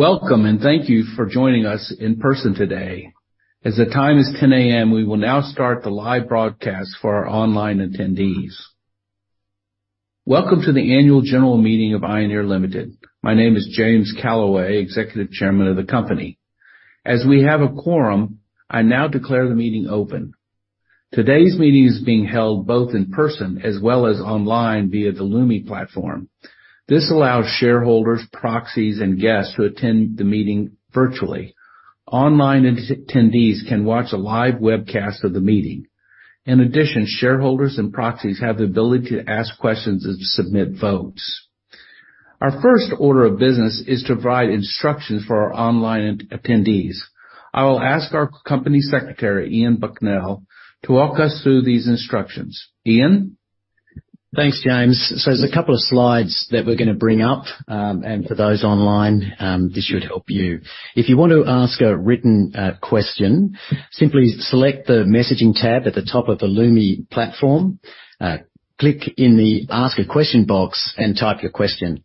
Welcome, and thank you for joining us in person today. As the time is 10 A.M., we will now start the live broadcast for our online attendees. Welcome to the Annual General Meeting of Ioneer Ltd. My name is James Calaway, Executive Chairman of the company. As we have a quorum, I now declare the meeting open. Today's meeting is being held both in person as well as online via the Lumi platform. This allows shareholders, proxies, and guests to attend the meeting virtually. Online attendees can watch a live webcast of the meeting. In addition, shareholders and proxies have the ability to ask questions and to submit votes. Our first order of business is to provide instructions for our online attendees. I will ask our company secretary, Ian Bucknell, to walk us through these instructions. Ian? Thanks, James. There's a couple of slides that we're gonna bring up, and for those online, this should help you. If you want to ask a written question, simply select the Messaging tab at the top of the Lumi platform. Click in the Ask a Question box and type your question,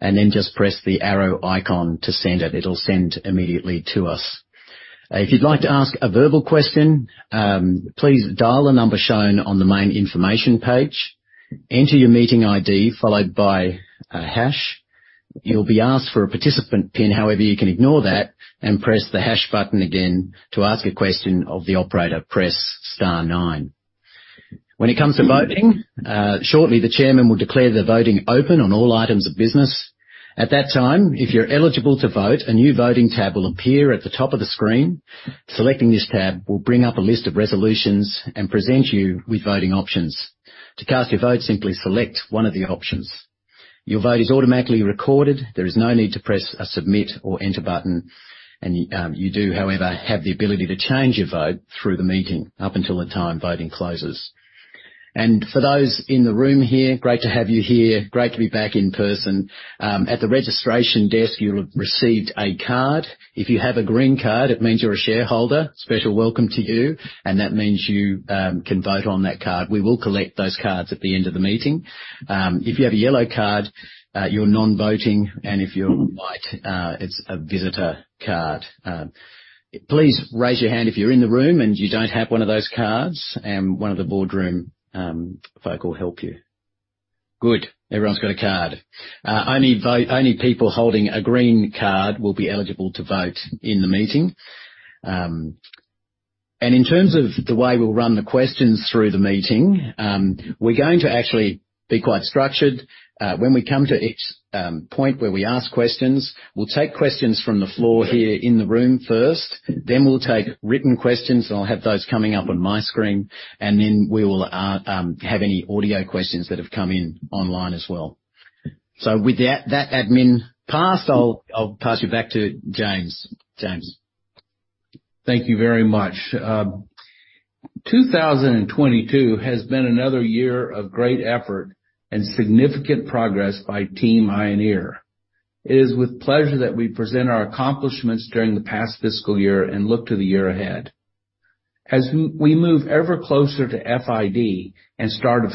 and then just press the arrow icon to send it. It'll send immediately to us. If you'd like to ask a verbal question, please dial the number shown on the main information page. Enter your meeting ID, followed by a hash. You'll be asked for a participant pin. However, you can ignore that and press the hash button again. To ask a question of the operator, press star nine. When it comes to voting, shortly, the chairman will declare the voting open on all items of business. At that time, if you're eligible to vote, a new voting tab will appear at the top of the screen. Selecting this tab will bring up a list of resolutions and present you with voting options. To cast your vote, simply select one of the options. Your vote is automatically recorded. There is no need to press a submit or enter button. You do, however, have the ability to change your vote through the meeting up until the time voting closes. For those in the room here, great to have you here. Great to be back in person. At the registration desk, you received a card. If you have a green card, it means you're a shareholder. Special welcome to you. That means you can vote on that card. We will collect those cards at the end of the meeting. If you have a yellow card, you're non-voting. If you're white, it's a visitor card. Please raise your hand if you're in the room and you don't have one of those cards, and one of the boardroom folk will help you. Good. Everyone's got a card. Only people holding a green card will be eligible to vote in the meeting. In terms of the way we'll run the questions through the meeting, we're going to actually be quite structured. When we come to each point where we ask questions, we'll take questions from the floor here in the room first, then we'll take written questions, and I'll have those coming up on my screen. Then we will have any audio questions that have come in online as well. With that admin passed, I'll pass you back to James. James. Thank you very much. 2022 has been another year of great effort and significant progress by team Ioneer. It is with pleasure that we present our accomplishments during the past fiscal year and look to the year ahead. As we move ever closer to FID and start of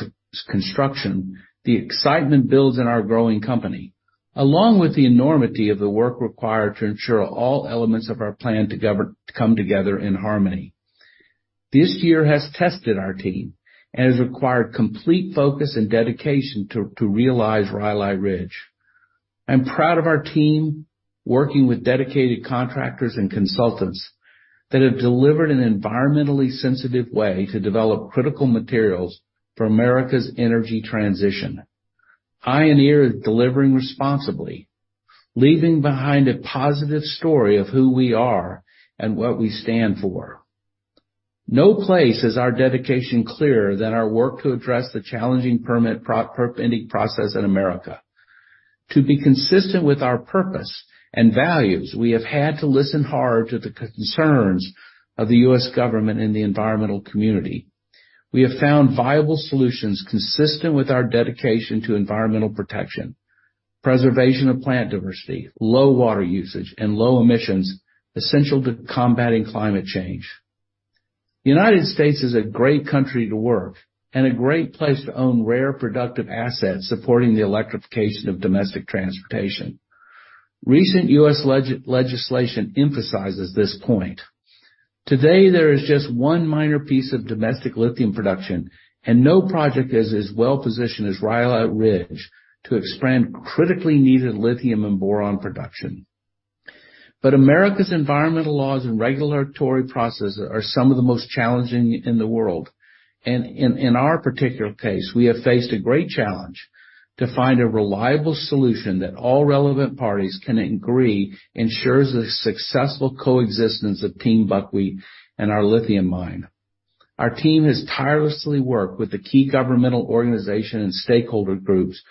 construction, the excitement builds in our growing company, along with the enormity of the work required to ensure all elements of our plan to come together in harmony. This year has tested our team and has required complete focus and dedication to realize Rhyolite Ridge. I'm proud of our team, working with dedicated contractors and consultants that have delivered an environmentally sensitive way to develop critical materials for America's energy transition. Ioneer is delivering responsibly, leaving behind a positive story of who we are and what we stand for. Nowhere is our dedication clearer than our work to address the challenging permitting process in America. To be consistent with our purpose and values, we have had to listen hard to the concerns of the U.S. government and the environmental community. We have found viable solutions consistent with our dedication to environmental protection, preservation of plant diversity, low water usage, and low emissions essential to combating climate change. United States is a great country to work and a great place to own rare, productive assets supporting the electrification of domestic transportation. Recent U.S. legislation emphasizes this point. Today, there is just one minor piece of domestic lithium production and no project is as well positioned as Rhyolite Ridge to expand critically needed lithium and boron production. America's environmental laws and regulatory processes are some of the most challenging in the world. In our particular case, we have faced a great challenge to find a reliable solution that all relevant parties can agree ensures the successful coexistence of Tiehm's buckwheat and our lithium mine. Our team has tirelessly worked with the key governmental organization and stakeholder groups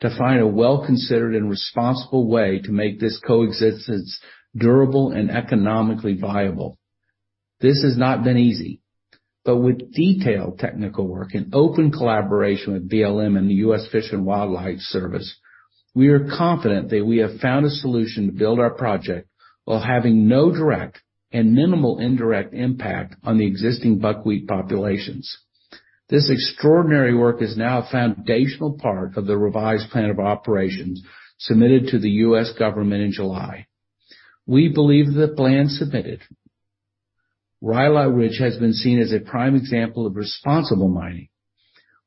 to find a well-considered and responsible way to make this coexistence durable and economically viable. This has not been easy, but with detailed technical work and open collaboration with BLM and the U.S. Fish and Wildlife Service, we are confident that we have found a solution to build our project while having no direct and minimal indirect impact on the existing buckwheat populations. This extraordinary work is now a foundational part of the revised plan of operations submitted to the U.S. government in July. We believe the plan submitted, Rhyolite Ridge has been seen as a prime example of responsible mining.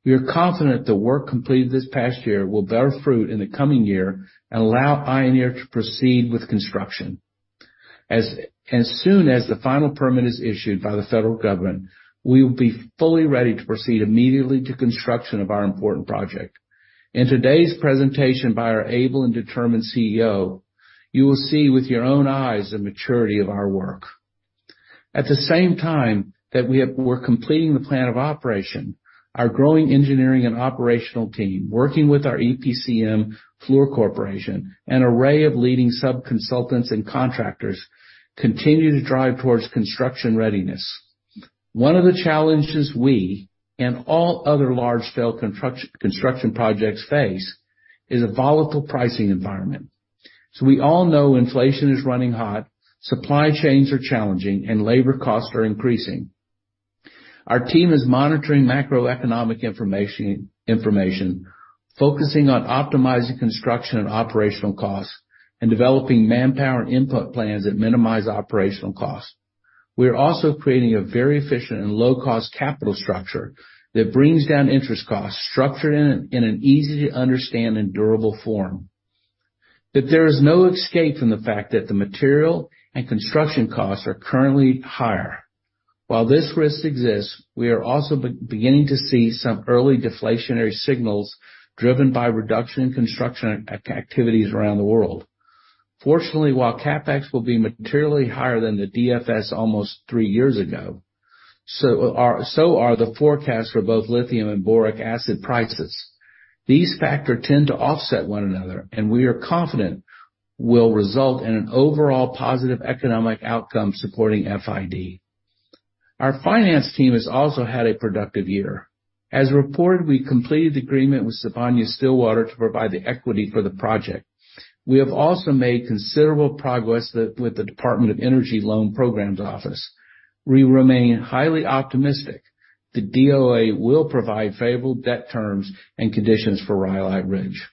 We are confident the work completed this past year will bear fruit in the coming year and allow Ioneer to proceed with construction. As soon as the final permit is issued by the federal government, we will be fully ready to proceed immediately to construction of our important project. In today's presentation by our able and determined CEO, you will see with your own eyes the maturity of our work. At the same time we're completing the plan of operation, our growing engineering and operational team, working with our EPCM Fluor Corporation, an array of leading sub-consultants and contractors, continue to drive towards construction readiness. One of the challenges we and all other large-scale construction projects face is a volatile pricing environment. We all know inflation is running hot, supply chains are challenging, and labor costs are increasing. Our team is monitoring macroeconomic information, focusing on optimizing construction and operational costs, and developing manpower and input plans that minimize operational costs. We are also creating a very efficient and low-cost capital structure that brings down interest costs, structured in an easy-to-understand and durable form. That there is no escape from the fact that the material and construction costs are currently higher. While this risk exists, we are also beginning to see some early deflationary signals driven by reduction in construction activities around the world. Fortunately, while CapEx will be materially higher than the DFS almost three years ago, so are the forecasts for both lithium and boric acid prices. These factors tend to offset one another and we are confident will result in an overall positive economic outcome supporting FID. Our finance team has also had a productive year. As reported, we completed the agreement with Sibanye-Stillwater to provide the equity for the project. We have also made considerable progress with the Department of Energy Loan Programs Office. We remain highly optimistic the DOE will provide favorable debt terms and conditions for Rhyolite Ridge.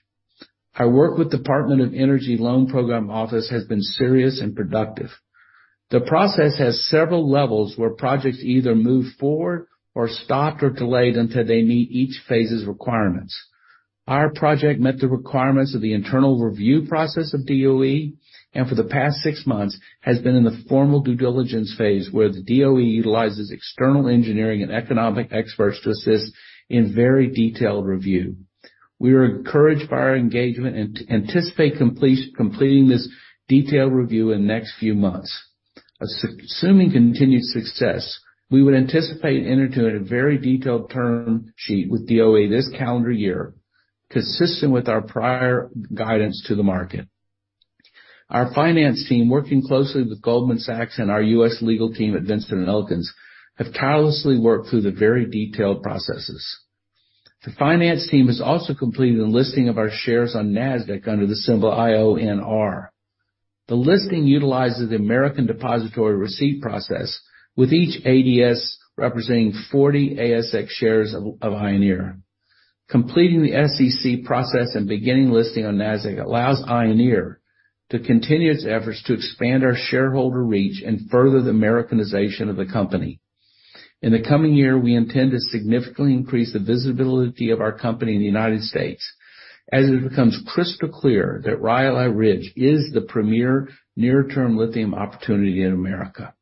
Our work with Department of Energy Loan Programs Office has been serious and productive. The process has several levels where projects either move forward or stopped or delayed until they meet each phase's requirements. Our project met the requirements of the internal review process of DOE, and for the past six months has been in the formal due diligence phase, where the DOE utilizes external engineering and economic experts to assist in very detailed review. We are encouraged by our engagement and anticipate completing this detailed review in the next few months. Assuming continued success, we would anticipate entering into a very detailed term sheet with DOE this calendar year, consistent with our prior guidance to the market. Our finance team, working closely with Goldman Sachs and our U.S. legal team at Winston & Strawn, have tirelessly worked through the very detailed processes. The finance team has also completed the listing of our shares on Nasdaq under the symbol IONR. The listing utilizes the American depository receipt process, with each ADS representing 40 ASX shares of Ioneer. Completing the SEC process and beginning listing on Nasdaq allows Ioneer to continue its efforts to expand our shareholder reach and further the Americanization of the company. In the coming year, we intend to significantly increase the visibility of our company in the United States as it becomes crystal clear that Rhyolite Ridge is the premier near-term lithium opportunity in America.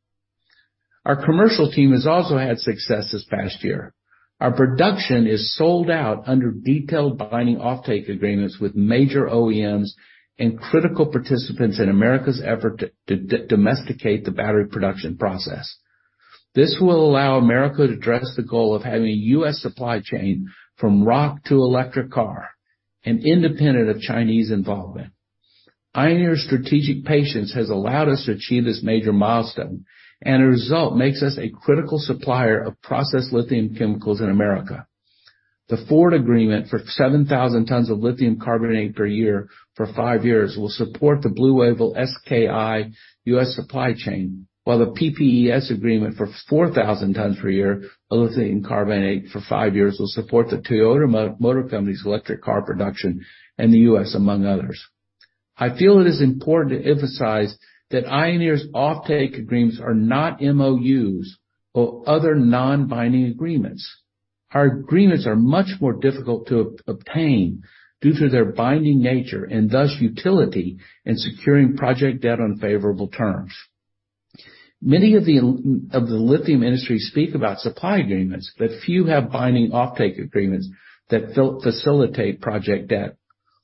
Our commercial team has also had success this past year. Our production is sold out under detailed binding offtake agreements with major OEMs and critical participants in America's effort to domesticate the battery production process. This will allow America to address the goal of having a U.S. supply chain from rock to electric car and independent of Chinese involvement. Ioneer's strategic patience has allowed us to achieve this major milestone, as a result makes us a critical supplier of processed lithium chemicals in America. The Ford agreement for 7,000 tons of lithium carbonate per year for five years will support the BlueOval SK U.S. supply chain, while the PPES agreement for 4,000 tons per year of lithium carbonate for five years will support the Toyota Motor Company's electric car production in the U.S., among others. I feel it is important to emphasize that Ioneer's offtake agreements are not MOUs or other non-binding agreements. Our agreements are much more difficult to obtain due to their binding nature and thus utility in securing project debt on favorable terms. Many of the lithium industry speak about supply agreements, but few have binding offtake agreements that facilitate project debt.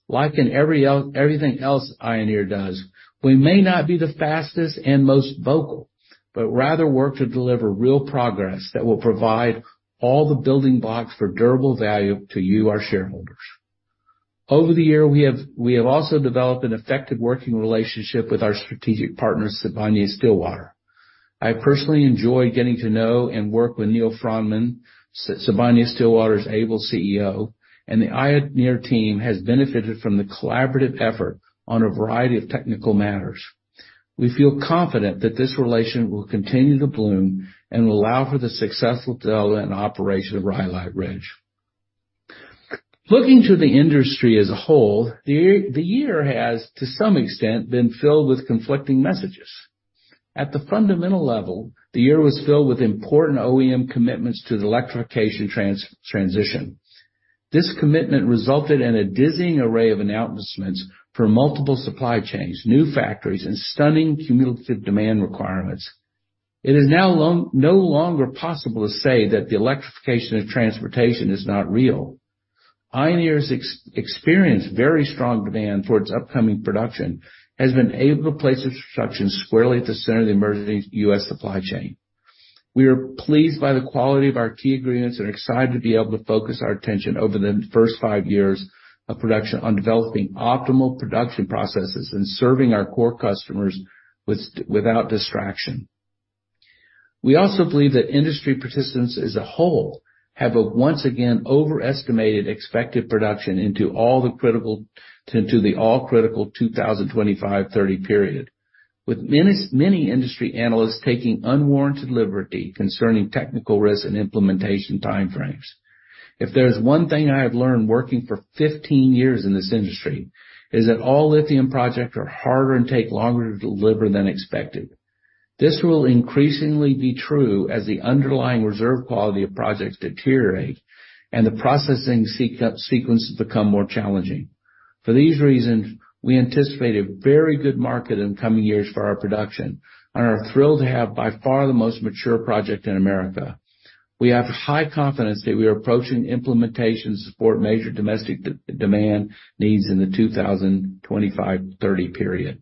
Like in every everything else Ioneer does, we may not be the fastest and most vocal, but rather work to deliver real progress that will provide all the building blocks for durable value to you, our shareholders. Over the year, we have also developed an effective working relationship with our strategic partner, Sibanye-Stillwater. I personally enjoy getting to know and work with Neal Froneman, Sibanye-Stillwater's able CEO, and the Ioneer team has benefited from the collaborative effort on a variety of technical matters. We feel confident that this relation will continue to bloom and allow for the successful development and operation of Rhyolite Ridge. Looking to the industry as a whole, the year has, to some extent, been filled with conflicting messages. At the fundamental level, the year was filled with important OEM commitments to the electrification transition. This commitment resulted in a dizzying array of announcements for multiple supply chains, new factories and stunning cumulative demand requirements. It is now no longer possible to say that the electrification of transportation is not real. Ioneer's experience, very strong demand for its upcoming production, has been able to place its production squarely at the center of the emerging U.S. supply chain. We are pleased by the quality of our key agreements and are excited to be able to focus our attention over the first 5 years of production on developing optimal production processes and serving our core customers without distraction. We also believe that industry participants as a whole have once again overestimated expected production into the all-critical 2025-30 period, with many industry analysts taking unwarranted liberty concerning technical risks and implementation timeframes. If there's one thing I have learned working for 15 years in this industry is that all lithium projects are harder and take longer to deliver than expected. This will increasingly be true as the underlying reserve quality of projects deteriorate and the processing sequences become more challenging. For these reasons, we anticipate a very good market in coming years for our production and are thrilled to have by far the most mature project in America. We have high confidence that we are approaching implementation support major domestic demand needs in the 2025-30 period.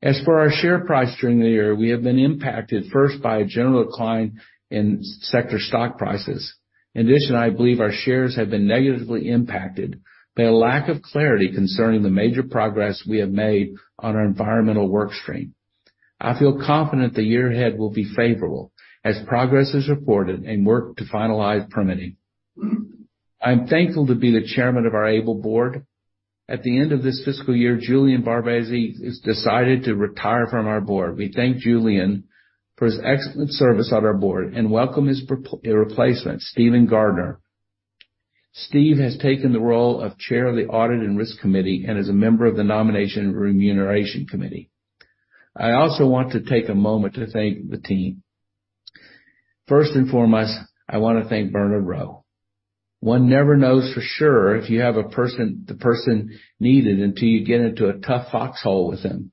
As for our share price during the year, we have been impacted first by a general decline in sector stock prices. In addition, I believe our shares have been negatively impacted by a lack of clarity concerning the major progress we have made on our environmental work stream. I feel confident the year ahead will be favorable as progress is reported and work to finalize permitting. I'm thankful to be the chairman of our able board. At the end of this fiscal year, Julian Babarczy has decided to retire from our board. We thank Julian Babarczy for his excellent service on our board and welcome his replacement, Stephen Gardiner. Steve has taken the role of Chair of the Audit and Risk Committee and is a member of the Nomination and Remuneration Committee. I also want to take a moment to thank the team. First and foremost, I wanna thank Bernard Rowe. One never knows for sure if you have a person, the person needed until you get into a tough foxhole with him.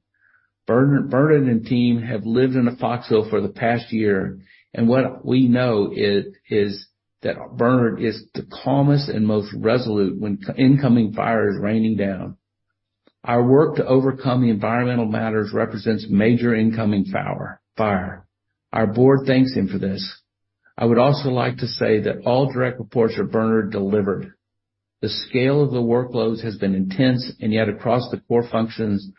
Bernard and team have lived in a foxhole for the past year, and what we know is that Bernard is the calmest and most resolute when incoming fire is raining down. Our work to overcome the environmental matters represents major incoming fire. Our board thanks him for this. I would also like to say that all direct reports of Bernard delivered. The scale of the workloads has been intense, and yet across the core functions,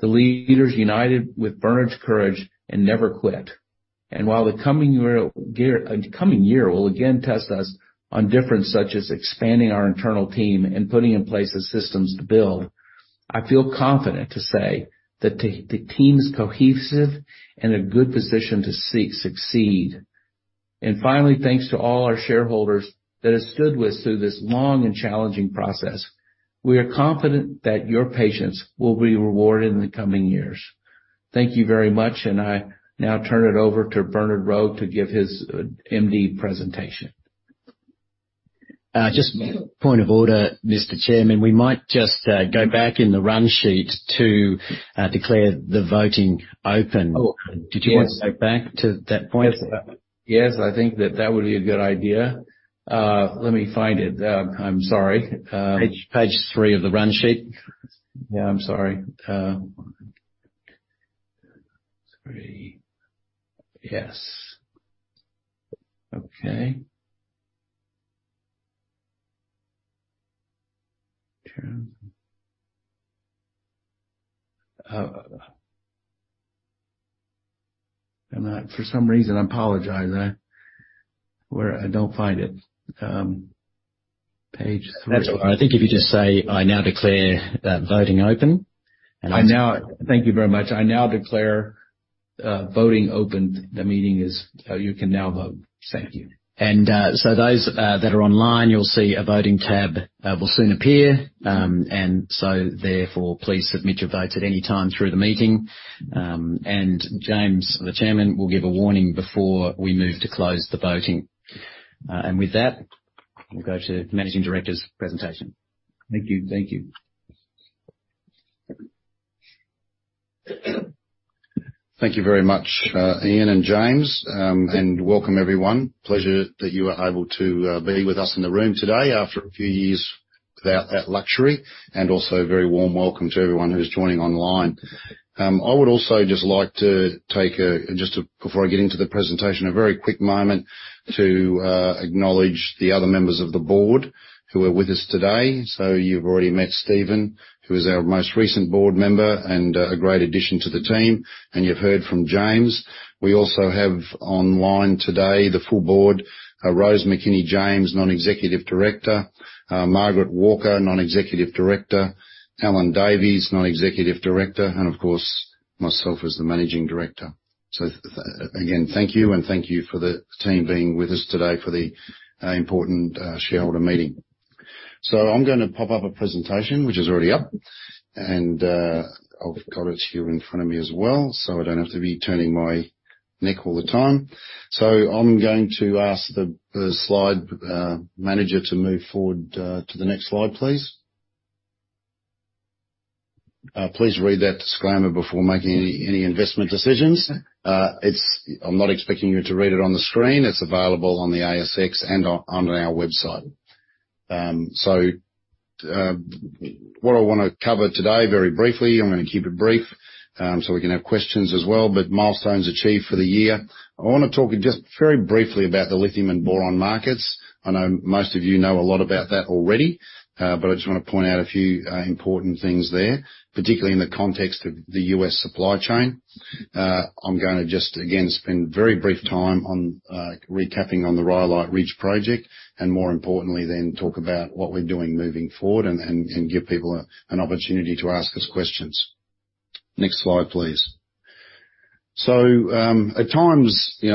the leaders united with Bernard's courage and never quit. While the coming year will again test us on different fronts such as expanding our internal team and putting in place the systems to build, I feel confident to say that the team's cohesive and in a good position to succeed. Finally, thanks to all our shareholders that have stood with us through this long and challenging process. We are confident that your patience will be rewarded in the coming years. Thank you very much, and I now turn it over to Bernard Rowe to give his MD presentation. Just point of order, Mr. Chairman. We might just go back in the run sheet to declare the voting open. Oh. Did you want to go back to that point? Yes. I think that would be a good idea. Let me find it. I'm sorry. Page three of the run sheet. Yeah, I'm sorry. three. Yes. Okay. I, for some reason, apologize. I don't find it. Page three. That's all right. I think if you just say, "I now declare that voting open. Thank you very much. I now declare voting open. The meeting is, you can now vote. Thank you. Those that are online, you'll see a voting tab will soon appear. Therefore, please submit your votes at any time through the meeting. James, the Chairman, will give a warning before we move to close the voting. With that, we'll go to managing director's presentation. Thank you. Thank you. Thank you very much, Ian and James, and welcome everyone. It's a pleasure that you are able to be with us in the room today after a few years without that luxury, and also very warm welcome to everyone who's joining online. I would also just like to take a, before I get into the presentation, a very quick moment to acknowledge the other members of the board who are with us today. You've already met Stephen, who is our most recent board member and a great addition to the team. You've heard from James. We also have online today the full board, Rose McKinney-James, Non-Executive Director, Margaret Walker, Non-Executive Director, Alan Davies, Non-Executive Director, and of course, myself as the Managing Director. Again, thank you, and thank you for the team being with us today for the important shareholder meeting. I'm gonna pop up a presentation which is already up, and I've got it here in front of me as well, so I don't have to be turning my neck all the time. I'm going to ask the slide manager to move forward to the next slide, please. Please read that disclaimer before making any investment decisions. It's. I'm not expecting you to read it on the screen. It's available on the ASX and on our website. What I wanna cover today, very briefly, I'm gonna keep it brief, so we can have questions as well, but milestones achieved for the year. I wanna talk just very briefly about the lithium and boron markets. I know most of you know a lot about that already, but I just wanna point out a few, important things there, particularly in the context of the U.S. supply chain. I'm gonna just again, spend very brief time on, recapping on the Rhyolite Ridge project, and more importantly, then talk about what we're doing moving forward and give people an opportunity to ask us questions. Next slide, please. At times, you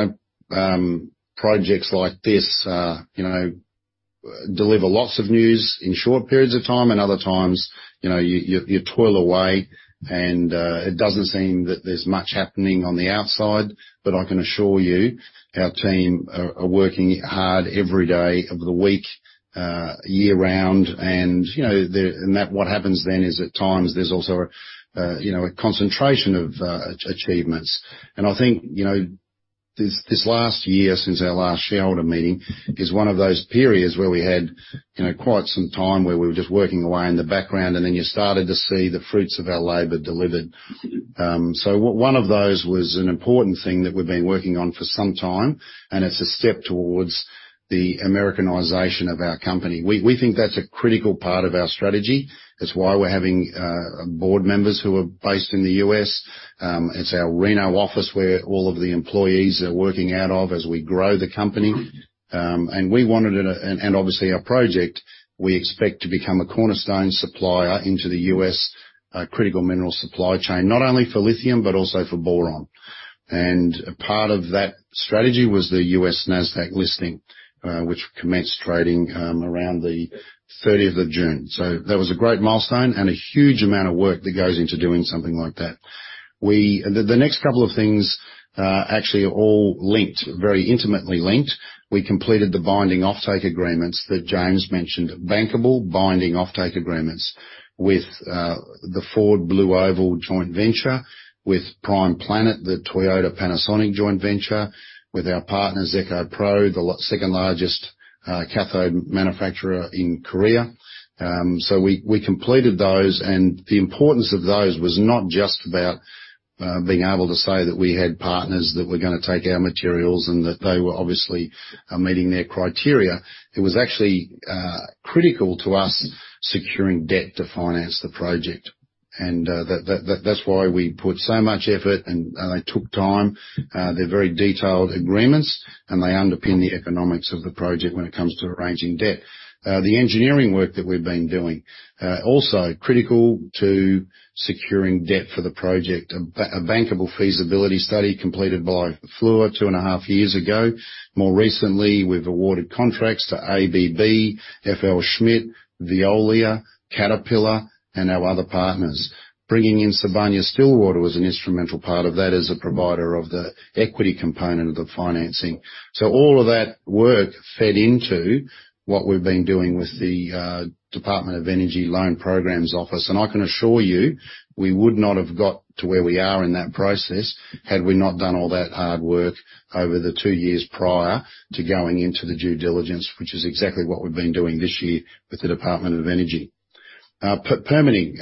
know, projects like this, you know, deliver lots of news in short periods of time, and other times, you know, you toil away and it doesn't seem that there's much happening on the outside. I can assure you our team are working hard every day of the week, year-round. You know, that's what happens then is at times there's also, you know, a concentration of achievements. I think, you know, this last year since our last shareholder meeting is one of those periods where we had, you know, quite some time where we were just working away in the background, and then you started to see the fruits of our labor delivered. One of those was an important thing that we've been working on for some time, and it's a step towards the Americanization of our company. We think that's a critical part of our strategy. It's why we're having board members who are based in the U.S. It's our Reno office where all of the employees are working out of as we grow the company. We wanted it, and obviously our project, we expect to become a cornerstone supplier into the U.S. critical mineral supply chain, not only for lithium but also for boron. A part of that strategy was the U.S. Nasdaq listing, which commenced trading around the 30th of June. That was a great milestone and a huge amount of work that goes into doing something like that. The next couple of things are actually all linked, very intimately linked. We completed the binding offtake agreements that James mentioned, bankable binding offtake agreements with the Ford BlueOval SK joint venture, with Prime Planet, the Toyota-Panasonic joint venture, with our partner EcoPro, the second-largest cathode manufacturer in Korea. We completed those, and the importance of those was not just about being able to say that we had partners that were gonna take our materials and that they were obviously meeting their criteria. It was actually critical to us securing debt to finance the project. That's why we put so much effort and they took time. They're very detailed agreements, and they underpin the economics of the project when it comes to arranging debt. The engineering work that we've been doing also critical to securing debt for the project. A bankable feasibility study completed by Fluor two and a half years ago. More recently, we've awarded contracts to ABB, FLSmidth, Veolia, Caterpillar, and our other partners. Bringing in Sibanye-Stillwater was an instrumental part of that as a provider of the equity component of the financing. All of that work fed into what we've been doing with the Department of Energy Loan Programs Office, and I can assure you, we would not have got to where we are in that process had we not done all that hard work over the two years prior to going into the due diligence, which is exactly what we've been doing this year with the Department of Energy. Permitting.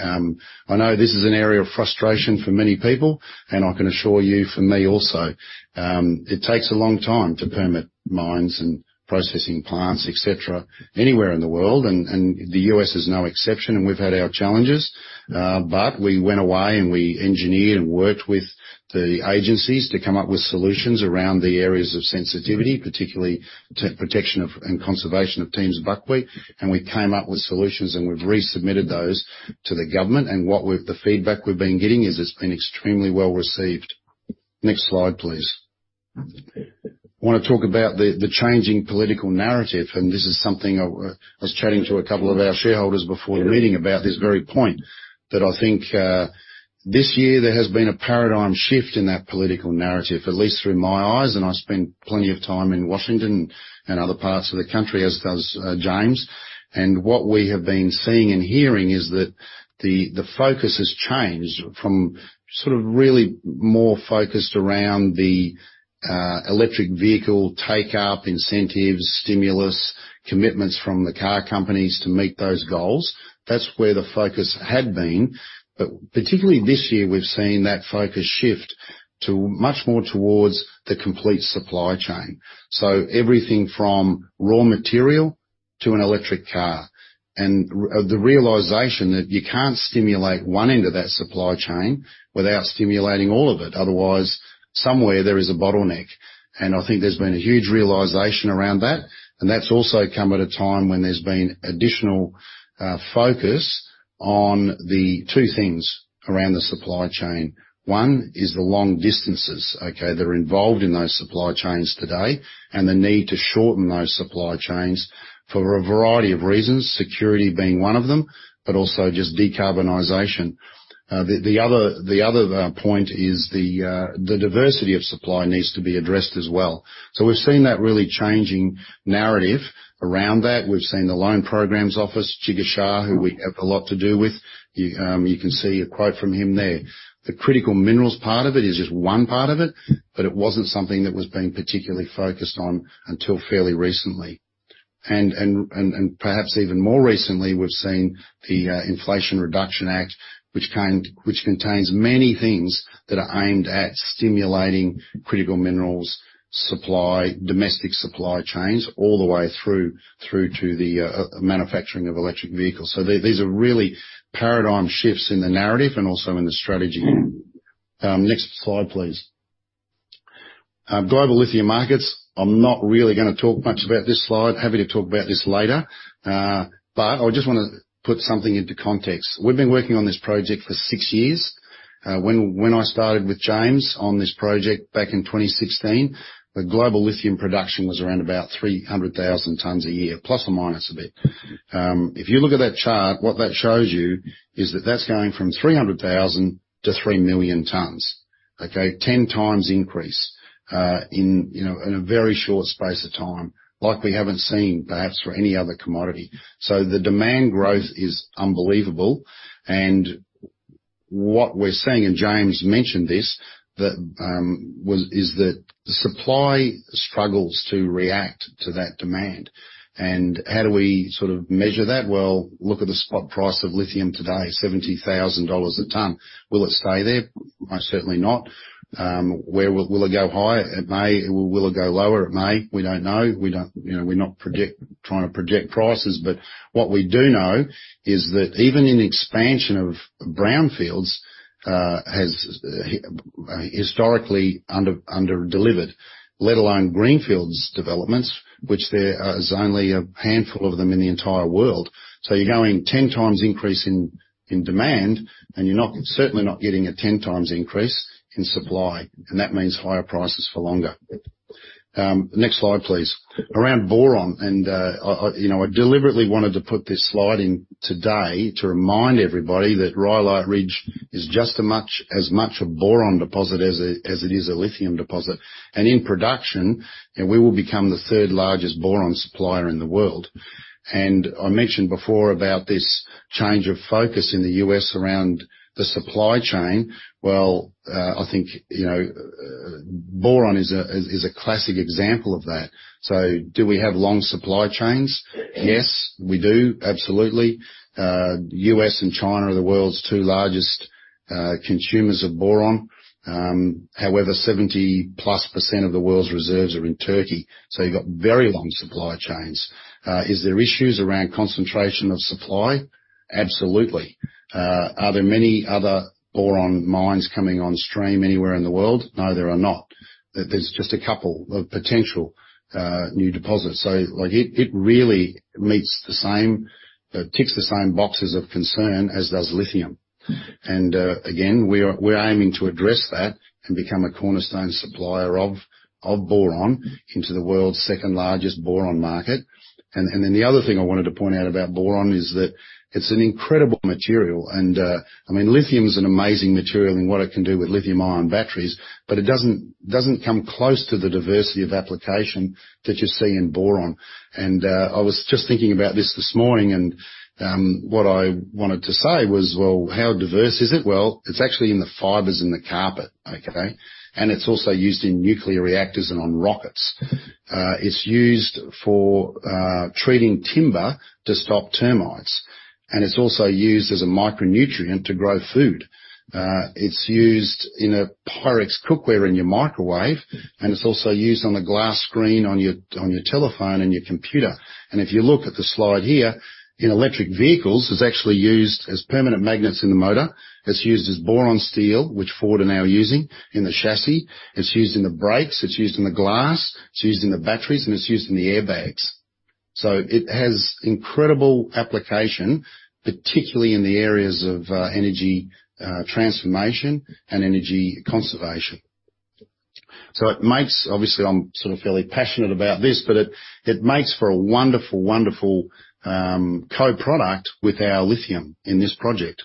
I know this is an area of frustration for many people, and I can assure you for me also. It takes a long time to permit mines and processing plants, etc., anywhere in the world. The US is no exception, and we've had our challenges, but we went away, and we engineered and worked with the agencies to come up with solutions around the areas of sensitivity, particularly to protection of and conservation of Tiehm's buckwheat. We came up with solutions, and we've resubmitted those to the government. The feedback we've been getting is it's been extremely well-received. Next slide, please. I wanna talk about the changing political narrative, and this is something I was chatting to a couple of our shareholders before the meeting about this very point, that I think this year there has been a paradigm shift in that political narrative, at least through my eyes. I spent plenty of time in Washington and other parts of the country, as does James. What we have been seeing and hearing is that the focus has changed from sort of really more focused around the electric vehicle take-up incentives, stimulus, commitments from the car companies to meet those goals. That's where the focus had been. Particularly this year, we've seen that focus shift to much more towards the complete supply chain. Everything from raw material to an electric car. Realization that you can't stimulate one end of that supply chain without stimulating all of it. Otherwise, somewhere there is a bottleneck. I think there's been a huge realization around that, and that's also come at a time when there's been additional focus on the two things around the supply chain. One is the long distances, okay, that are involved in those supply chains today, and the need to shorten those supply chains for a variety of reasons, security being one of them, but also just decarbonization. The other point is the diversity of supply needs to be addressed as well. We've seen that really changing narrative around that. We've seen the Loan Programs Office, Jigar Shah, who we have a lot to do with. You can see a quote from him there. The critical minerals part of it is just one part of it, but it wasn't something that was being particularly focused on until fairly recently. Perhaps even more recently, we've seen the Inflation Reduction Act, which contains many things that are aimed at stimulating critical minerals supply, domestic supply chains, all the way through to the manufacturing of electric vehicles. These are really paradigm shifts in the narrative and also in the strategy. Next slide, please. Global lithium markets. I'm not really gonna talk much about this slide. Happy to talk about this later. I just wanna put something into context. We've been working on this project for six years. When I started with James on this project back in 2016, the global lithium production was around about 300,000 tons a year, plus or minus a bit. If you look at that chart, what that shows you is that that's going from 300,000 to 3,000,000 tons. Okay? 10 times increase, you know, in a very short space of time, like we haven't seen perhaps for any other commodity. The demand growth is unbelievable. What we're seeing, and James mentioned this, is that supply struggles to react to that demand. How do we sort of measure that? Well, look at the spot price of lithium today, $70,000 a ton. Will it stay there? Most certainly not. Will it go higher? It may. Will it go lower? It may. We don't know. We don't, we're not trying to project prices. What we do know is that even in expansion of brownfields has historically under-delivered, let alone greenfields developments, which there is only a handful of them in the entire world. You're going 10 times increase in demand, and you're not, certainly not getting a 10 times increase in supply, and that means higher prices for longer. Next slide, please. Around boron, and I deliberately wanted to put this slide in today to remind everybody that Rhyolite Ridge is just as much a boron deposit as it is a lithium deposit. In production, we will become the third-largest boron supplier in the world. I mentioned before about this change of focus in the U.S. around the supply chain. Well, I think, you know, boron is a classic example of that. Do we have long supply chains? Yes, we do. Absolutely. U.S. and China are the world's two largest consumers of boron. However, 70+% of the world's reserves are in Turkey, so you've got very long supply chains. Is there issues around concentration of supply? Absolutely. Are there many other boron mines coming on stream anywhere in the world? No, there are not. There's just a couple of potential new deposits. Like, it really meets the same, ticks the same boxes of concern as does lithium. Again, we're aiming to address that and become a cornerstone supplier of boron into the world's second-largest boron market. The other thing I wanted to point out about boron is that it's an incredible material. I mean, lithium is an amazing material in what it can do with lithium-ion batteries, but it doesn't come close to the diversity of application that you see in boron. I was just thinking about this morning, and what I wanted to say was, well, how diverse is it? Well, it's actually in the fibers in the carpet, okay. It's also used in nuclear reactors and on rockets. It's used for treating timber to stop termites. It's also used as a micronutrient to grow food. It's used in Pyrex cookware in your microwave, and it's also used on the glass screen on your telephone and your computer. If you look at the slide here, in electric vehicles, it's actually used as permanent magnets in the motor. It's used as boron steel, which Ford are now using in the chassis. It's used in the brakes. It's used in the glass. It's used in the batteries, and it's used in the airbags. It has incredible application, particularly in the areas of energy transformation and energy conservation. It makes for a wonderful co-product with our lithium in this project. Obviously, I'm sort of fairly passionate about this, but it makes for a wonderful co-product with our lithium in this project.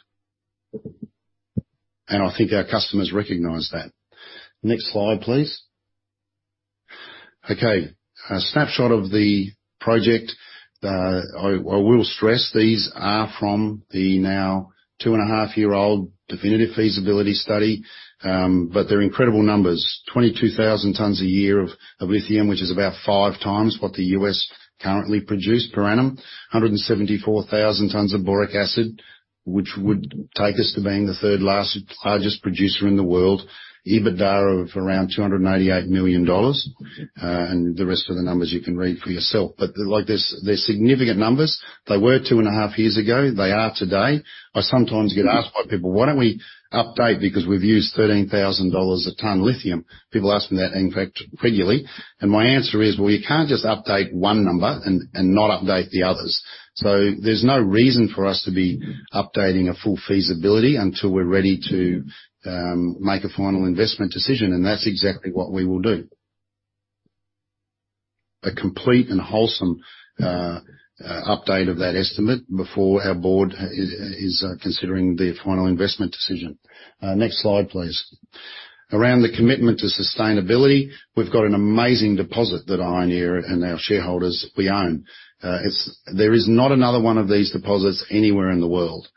I think our customers recognize that. Next slide, please. Okay, a snapshot of the project. I will stress these are from the now 2.5-year-old definitive feasibility study, but they're incredible numbers. 22,000 tons a year of lithium, which is about five times what the US currently produce per annum. 174,000 tons of boric acid, which would take us to being the third largest producer in the world. EBITDA of around $288 million. The rest of the numbers you can read for yourself. Like, they're significant numbers. They were two and a half years ago, they are today. I sometimes get asked by people, "Why don't we update?" Because we've used $13,000 a ton lithium. People ask me that, in fact, regularly. My answer is, "Well, you can't just update one number and not update the others." There's no reason for us to be updating a full feasibility until we're ready to make a final investment decision, and that's exactly what we will do. A complete and wholesome update of that estimate before our board is considering the final investment decision. Next slide, please. Around the commitment to sustainability, we've got an amazing deposit that Ioneer and our shareholders own. There is not another one of these deposits anywhere in the world.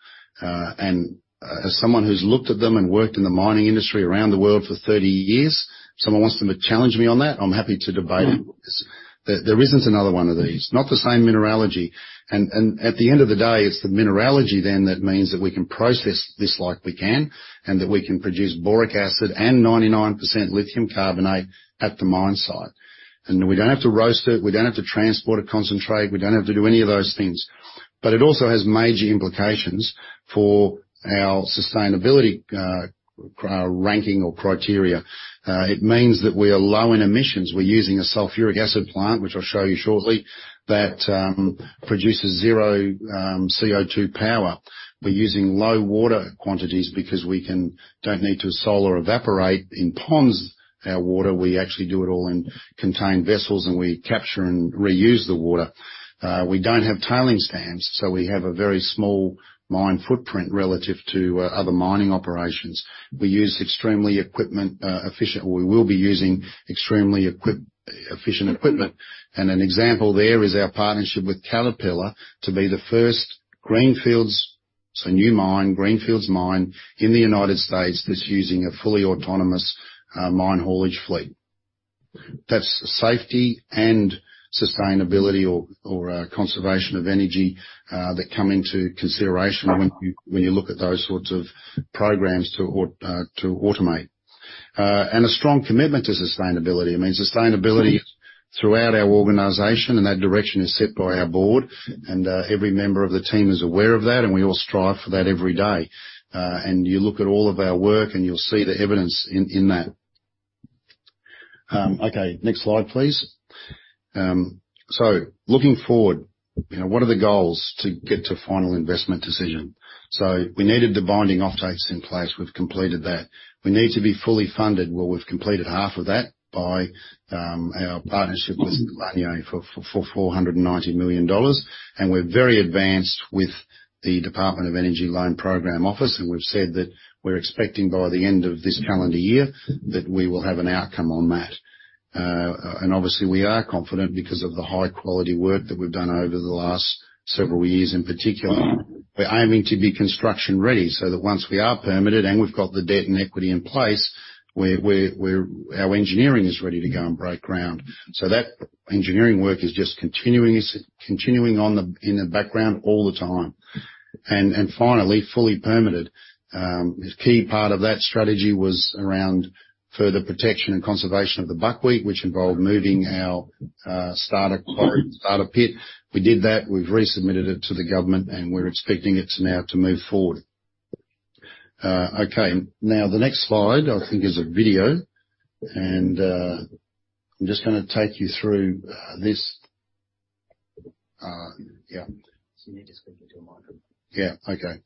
As someone who's looked at them and worked in the mining industry around the world for 30 years, if someone wants to challenge me on that, I'm happy to debate it. There isn't another one of these. Not the same mineralogy. At the end of the day, it's the mineralogy then that means that we can process this like we can, and that we can produce boric acid and 99% lithium carbonate at the mine site. We don't have to roast it, we don't have to transport or concentrate, we don't have to do any of those things. It also has major implications for our sustainability ranking or criteria. It means that we are low in emissions. We're using a sulfuric acid plant, which I'll show you shortly, that produces zero CO2 power. We're using low water quantities because we don't need to solar evaporate in ponds our water. We actually do it all in contained vessels, and we capture and reuse the water. We don't have tailings stands, so we have a very small mine footprint relative to other mining operations. We will be using extremely efficient equipment. An example there is our partnership with Caterpillar to be the first greenfields, so new mine, greenfields mine in the United States that's using a fully autonomous mine haulage fleet. That's safety and sustainability or conservation of energy that come into consideration when you look at those sorts of programs to automate. A strong commitment to sustainability. I mean, sustainability throughout our organization, and that direction is set by our board, and every member of the team is aware of that, and we all strive for that every day. You look at all of our work, and you'll see the evidence in that. Okay. Next slide, please. Looking forward, you know, what are the goals to get to final investment decision? We needed the binding offtakes in place. We've completed that. We need to be fully funded. Well, we've completed half of that by our partnership with Laniyan for $490 million. We're very advanced with the Department of Energy Loan Programs Office, and we've said that we're expecting by the end of this calendar year that we will have an outcome on that. Obviously we are confident because of the high quality work that we've done over the last several years in particular. We're aiming to be construction ready, so that once we are permitted and we've got the debt and equity in place, our engineering is ready to go and break ground. That engineering work is just continuing in the background all the time. Finally, fully permitted. A key part of that strategy was around further protection and conservation of the buckwheat, which involved moving our starter quarry, starter pit. We did that. We've resubmitted it to the government, and we're expecting it now to move forward. Okay. Now, the next slide, I think is a video. I'm just gonna take you through this. Yeah. You need to speak into a microphone. Yeah. Okay.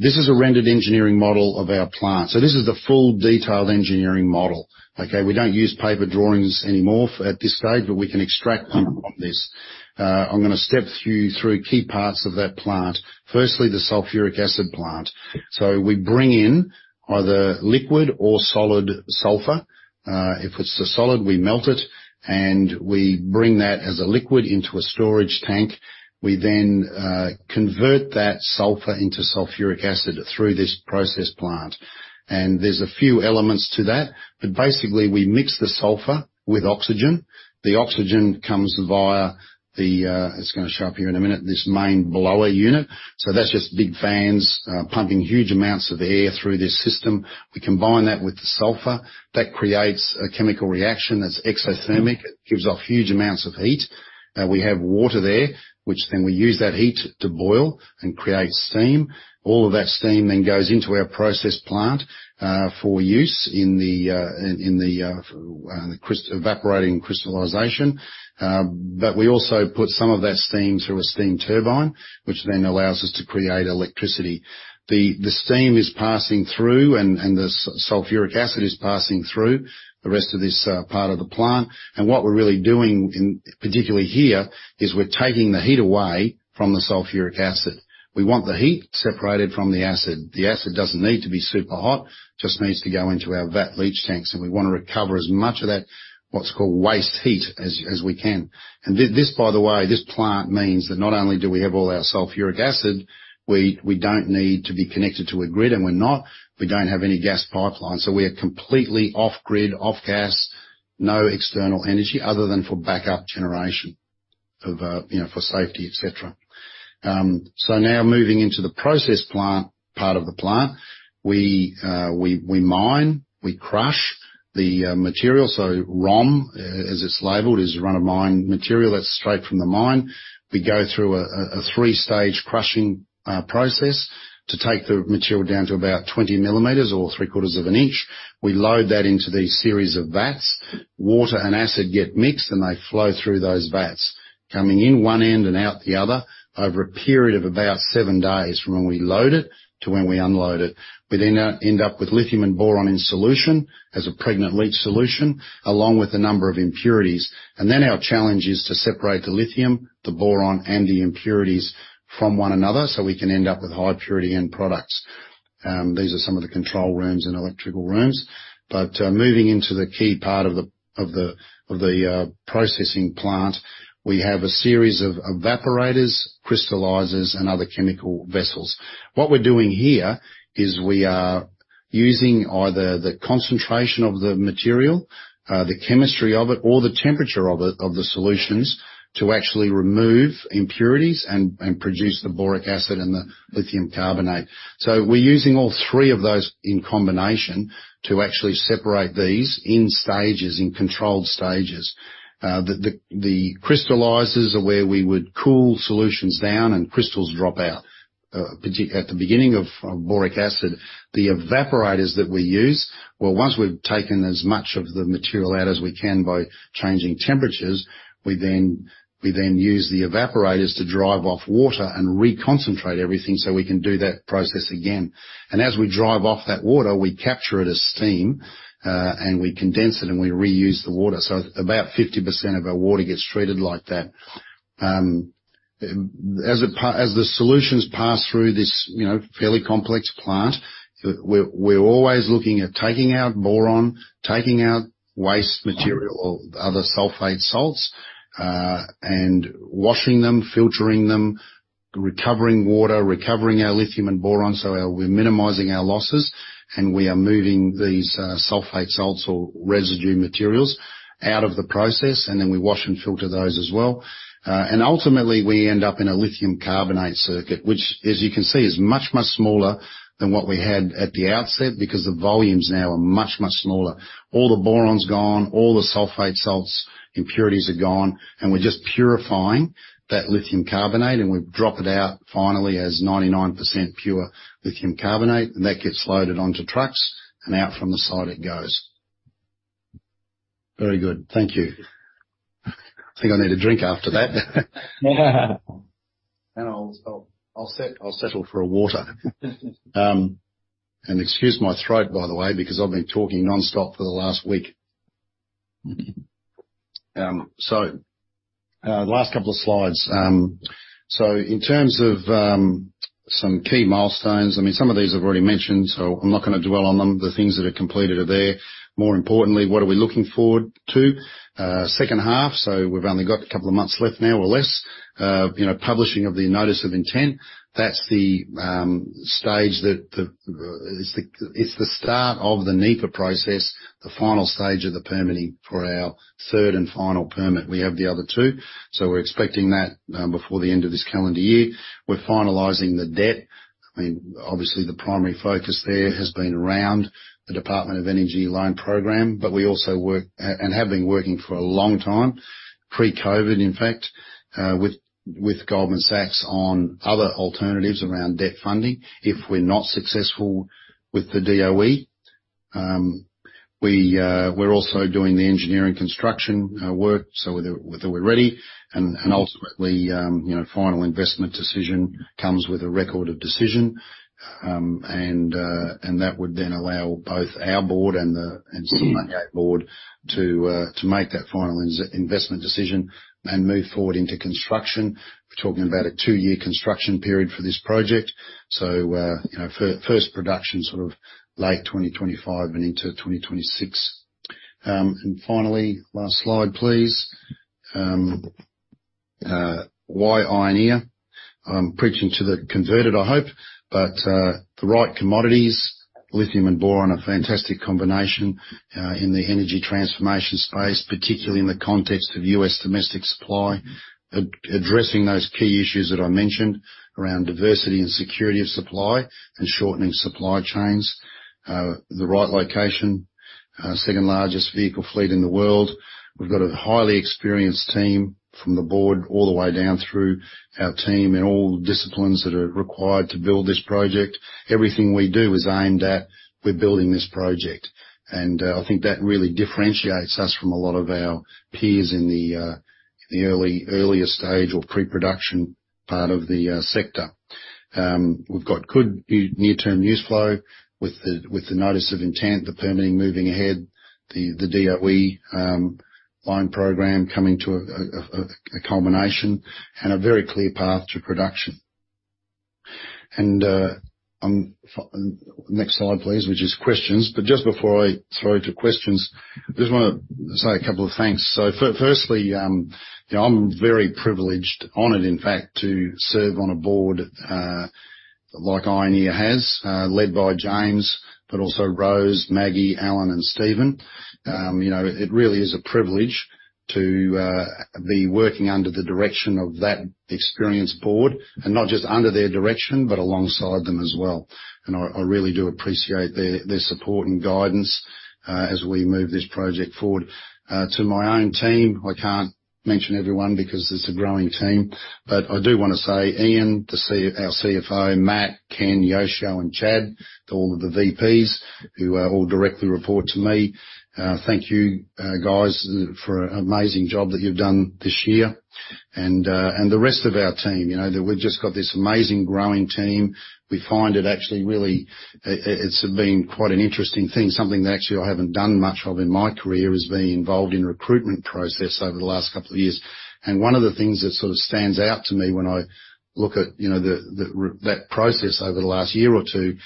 This is a rendered engineering model of our plant. This is the full detailed engineering model. Okay? We don't use paper drawings anymore at this stage, but we can extract them from this. I'm gonna step you through key parts of that plant. Firstly, the sulfuric acid plant. We bring in either liquid or solid sulfur. If it's a solid, we melt it, and we bring that as a liquid into a storage tank. We then convert that sulfur into sulfuric acid through this process plant. There's a few elements to that. Basically, we mix the sulfur with oxygen. The oxygen comes via the, it's gonna show up here in a minute, this main blower unit. That's just big fans pumping huge amounts of air through this system. We combine that with the sulfur. That creates a chemical reaction that's exothermic. It gives off huge amounts of heat. We have water there, which then we use that heat to boil and create steam. All of that steam then goes into our process plant for use in the evaporating crystallization. But we also put some of that steam through a steam turbine, which then allows us to create electricity. The steam is passing through and the sulfuric acid is passing through the rest of this part of the plant. What we're really doing in particular here is we're taking the heat away from the sulfuric acid. We want the heat separated from the acid. The acid doesn't need to be super hot, just needs to go into our vat leach tanks, and we wanna recover as much of that, what's called waste heat, as we can. This, by the way, this plant means that not only do we have all our sulfuric acid, we don't need to be connected to a grid, and we're not. We don't have any gas pipelines, so we are completely off-grid, off gas, no external energy other than for backup generation, you know, for safety, et cetera. Now moving into the process plant, part of the plant. We mine, we crush the material. So ROM, as it's labeled, is run of mine material. That's straight from the mine. We go through a three-stage crushing process to take the material down to about 20 millimeters or three-quarters of an inch. We load that into these series of vats. Water and acid get mixed, and they flow through those vats, coming in one end and out the other over a period of about seven days from when we load it to when we unload it. We then end up with lithium and boron in solution as a pregnant leach solution, along with a number of impurities. Our challenge is to separate the lithium, the boron, and the impurities from one another, so we can end up with high purity end products. These are some of the control rooms and electrical rooms. Moving into the key part of the processing plant, we have a series of evaporators, crystallizers, and other chemical vessels. What we're doing here is we are using either the concentration of the material, the chemistry of it, or the temperature of it, of the solutions to actually remove impurities and produce the boric acid and the lithium carbonate. We're using all three of those in combination to actually separate these in controlled stages. The crystallizers are where we would cool solutions down and crystals drop out. At the beginning of boric acid, the evaporators that we use, well, once we've taken as much of the material out as we can by changing temperatures, we then use the evaporators to drive off water and reconcentrate everything so we can do that process again. As we drive off that water, we capture it as steam, and we condense it, and we reuse the water. About 50% of our water gets treated like that. As the solutions pass through this, you know, fairly complex plant, we're always looking at taking out boron, taking out waste material or other sulfate salts, and washing them, filtering them, recovering water, recovering our lithium and boron, so we're minimizing our losses, and we are moving these sulfate salts or residue materials out of the process, and then we wash and filter those as well. Ultimately, we end up in a lithium carbonate circuit, which as you can see, is much, much smaller than what we had at the outset because the volumes now are much, much smaller. All the boron's gone, all the sulfate salts, impurities are gone, and we're just purifying that lithium carbonate, and we drop it out finally as 99% pure lithium carbonate. That gets loaded onto trucks and out from the site it goes. Very good. Thank you. I think I need a drink after that. I'll settle for a water. Excuse my throat, by the way, because I've been talking nonstop for the last week. Last couple of slides. In terms of some key milestones, I mean, some of these I've already mentioned, so I'm not gonna dwell on them. The things that are completed are there. More importantly, what are we looking forward to? H2, we've only got a couple of months left now or less. You know, publishing of the notice of intent. That's the stage. It's the start of the NEPA process, the final stage of the permitting for our third and final permit. We have the other two. We're expecting that before the end of this calendar year. We're finalizing the debt. I mean, obviously the primary focus there has been around the Department of Energy loan program. We also work and have been working for a long time, pre-COVID in fact, with Goldman Sachs on other alternatives around debt funding if we're not successful with the DOE. We're also doing the engineering construction work, so whether we're ready and ultimately, you know, final investment decision comes with a record of decision. That would then allow both our board and the Sibanye-Stillwater board to make that final investment decision and move forward into construction. We're talking about a two-year construction period for this project. First production, you know, sort of late 2025 and into 2026. Finally, last slide, please. Why Ioneer? I'm preaching to the converted, I hope. The right commodities, lithium and boron are a fantastic combination in the energy transformation space, particularly in the context of U.S. domestic supply. Addressing those key issues that I mentioned around diversity and security of supply and shortening supply chains. The right location. Second largest vehicle fleet in the world. We've got a highly experienced team from the board all the way down through our team in all disciplines that are required to build this project. Everything we do is aimed at. We're building this project. I think that really differentiates us from a lot of our peers in the earlier stage or pre-production part of the sector. We've got good near-term news flow with the notice of intent, the permitting moving ahead, the DOE loan program coming to a culmination and a very clear path to production. Next slide, please, which is questions. Just before I throw to questions, I just wanna say a couple of thanks. Firstly, you know, I'm very privileged, honored, in fact, to serve on a board like Ioneer has, led by James, but also Rose, Maggie, Alan and Stephen. You know, it really is a privilege to be working under the direction of that experienced board, and not just under their direction, but alongside them as well. I really do appreciate their support and guidance as we move this project forward. To my own team, I can't mention everyone because it's a growing team, but I do wanna say, Ian, our CFO, Matt, Ken, Yoshio, and Chad, all of the VPs who all directly report to me. Thank you, guys, for an amazing job that you've done this year. The rest of our team, you know, that we've just got this amazing growing team. We find it actually, really, it's been quite an interesting thing. Something that actually I haven't done much of in my career is being involved in recruitment process over the last couple of years. One of the things that sort of stands out to me when I look at, you know, the recruitment process over the last year or two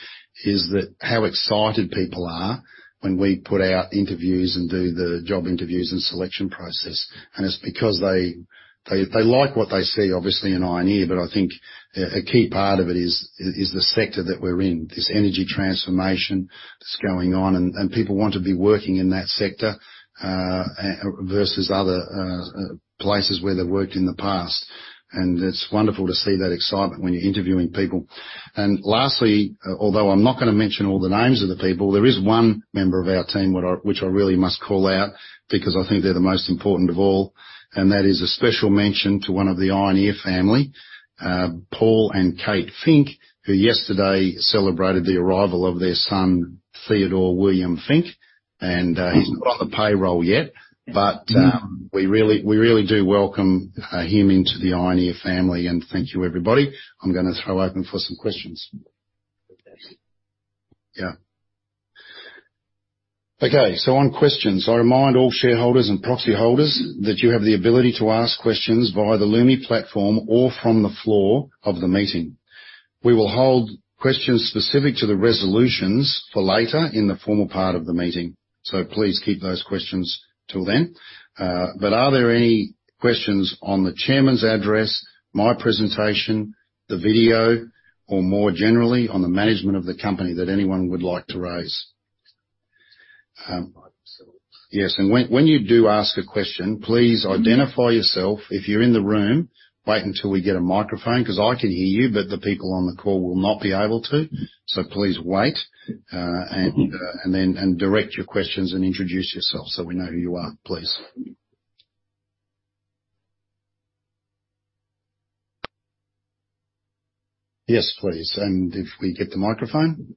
is that how excited people are when we put out interviews and do the job interviews and selection process. It's because they like what they see, obviously in Ioneer. I think a key part of it is the sector that we're in. This energy transformation that's going on, and people want to be working in that sector, versus other places where they've worked in the past. It's wonderful to see that excitement when you're interviewing people. Lastly, although I'm not gonna mention all the names of the people, there is one member of our team which I really must call out because I think they're the most important of all, and that is a special mention to one of the Ioneer family, Paul and Kate Fink, who yesterday celebrated the arrival of their son, Theodore William Fink. He's not on the payroll yet, but we really do welcome him into the Ioneer family. Thank you everybody. I'm gonna throw open for some questions. Yeah. Okay. On questions, I remind all shareholders and proxy holders that you have the ability to ask questions via the Lumi platform or from the floor of the meeting. We will hold questions specific to the resolutions for later in the formal part of the meeting, so please keep those questions till then. Are there any questions on the chairman's address, my presentation, the video, or more generally on the management of the company that anyone would like to raise? Yes, when you do ask a question, please identify yourself. If you're in the room, wait until we get a microphone 'cause I can hear you, but the people on the call will not be able to. Please wait, and then direct your questions and introduce yourself so we know who you are, please. Yes, please. If we get the microphone.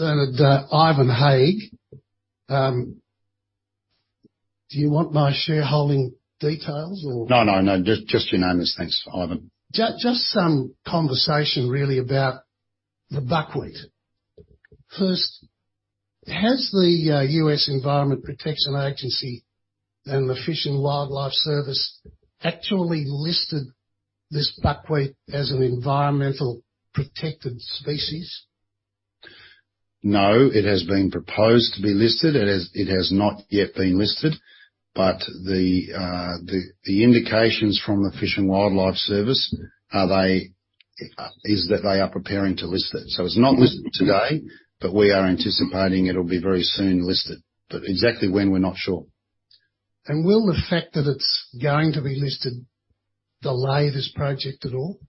Ivan Hague. Do you want my shareholding details or? No. Just your name. Thanks, Ivan. Just some conversation really about the buckwheat. First, has the U.S. Environmental Protection Agency and the U.S. Fish and Wildlife Service actually listed this buckwheat as an environmentally protected species? No, it has been proposed to be listed. It has not yet been listed. The indications from the U.S. Fish and Wildlife Service are that they are preparing to list it. It's not listed today, but we are anticipating it'll be very soon listed. Exactly when, we're not sure. Will the fact that it's going to be listed delay this project at all?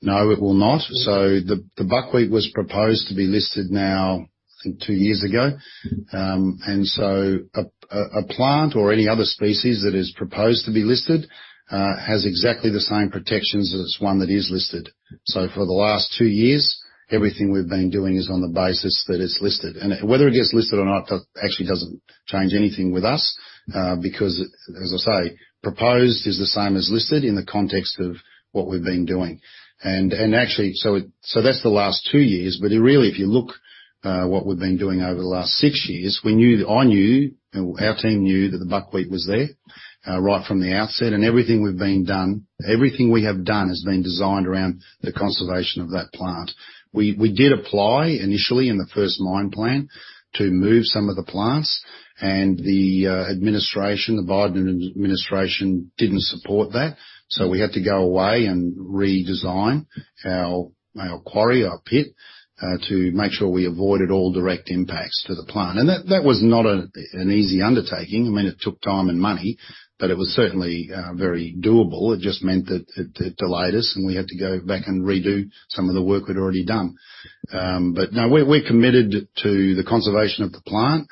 No, it will not. The buckwheat was proposed to be listed now, I think, two years ago. A plant or any other species that is proposed to be listed has exactly the same protections as one that is listed. For the last two years, everything we've been doing is on the basis that it's listed. Whether it gets listed or not, actually doesn't change anything with us, because as I say, proposed is the same as listed in the context of what we've been doing. That's the last two years, but it really, if you look, what we've been doing over the last six years, we knew, I knew, our team knew that the buckwheat was there right from the outset. Everything we have done has been designed around the conservation of that plant. We did apply initially in the first mine plan to move some of the plants and the administration, the Biden administration didn't support that, so we had to go away and redesign our quarry, our pit, to make sure we avoided all direct impacts to the plant. That was not an easy undertaking. I mean, it took time and money, but it was certainly very doable. It just meant that it delayed us, and we had to go back and redo some of the work we'd already done. But no, we're committed to the conservation of the plant.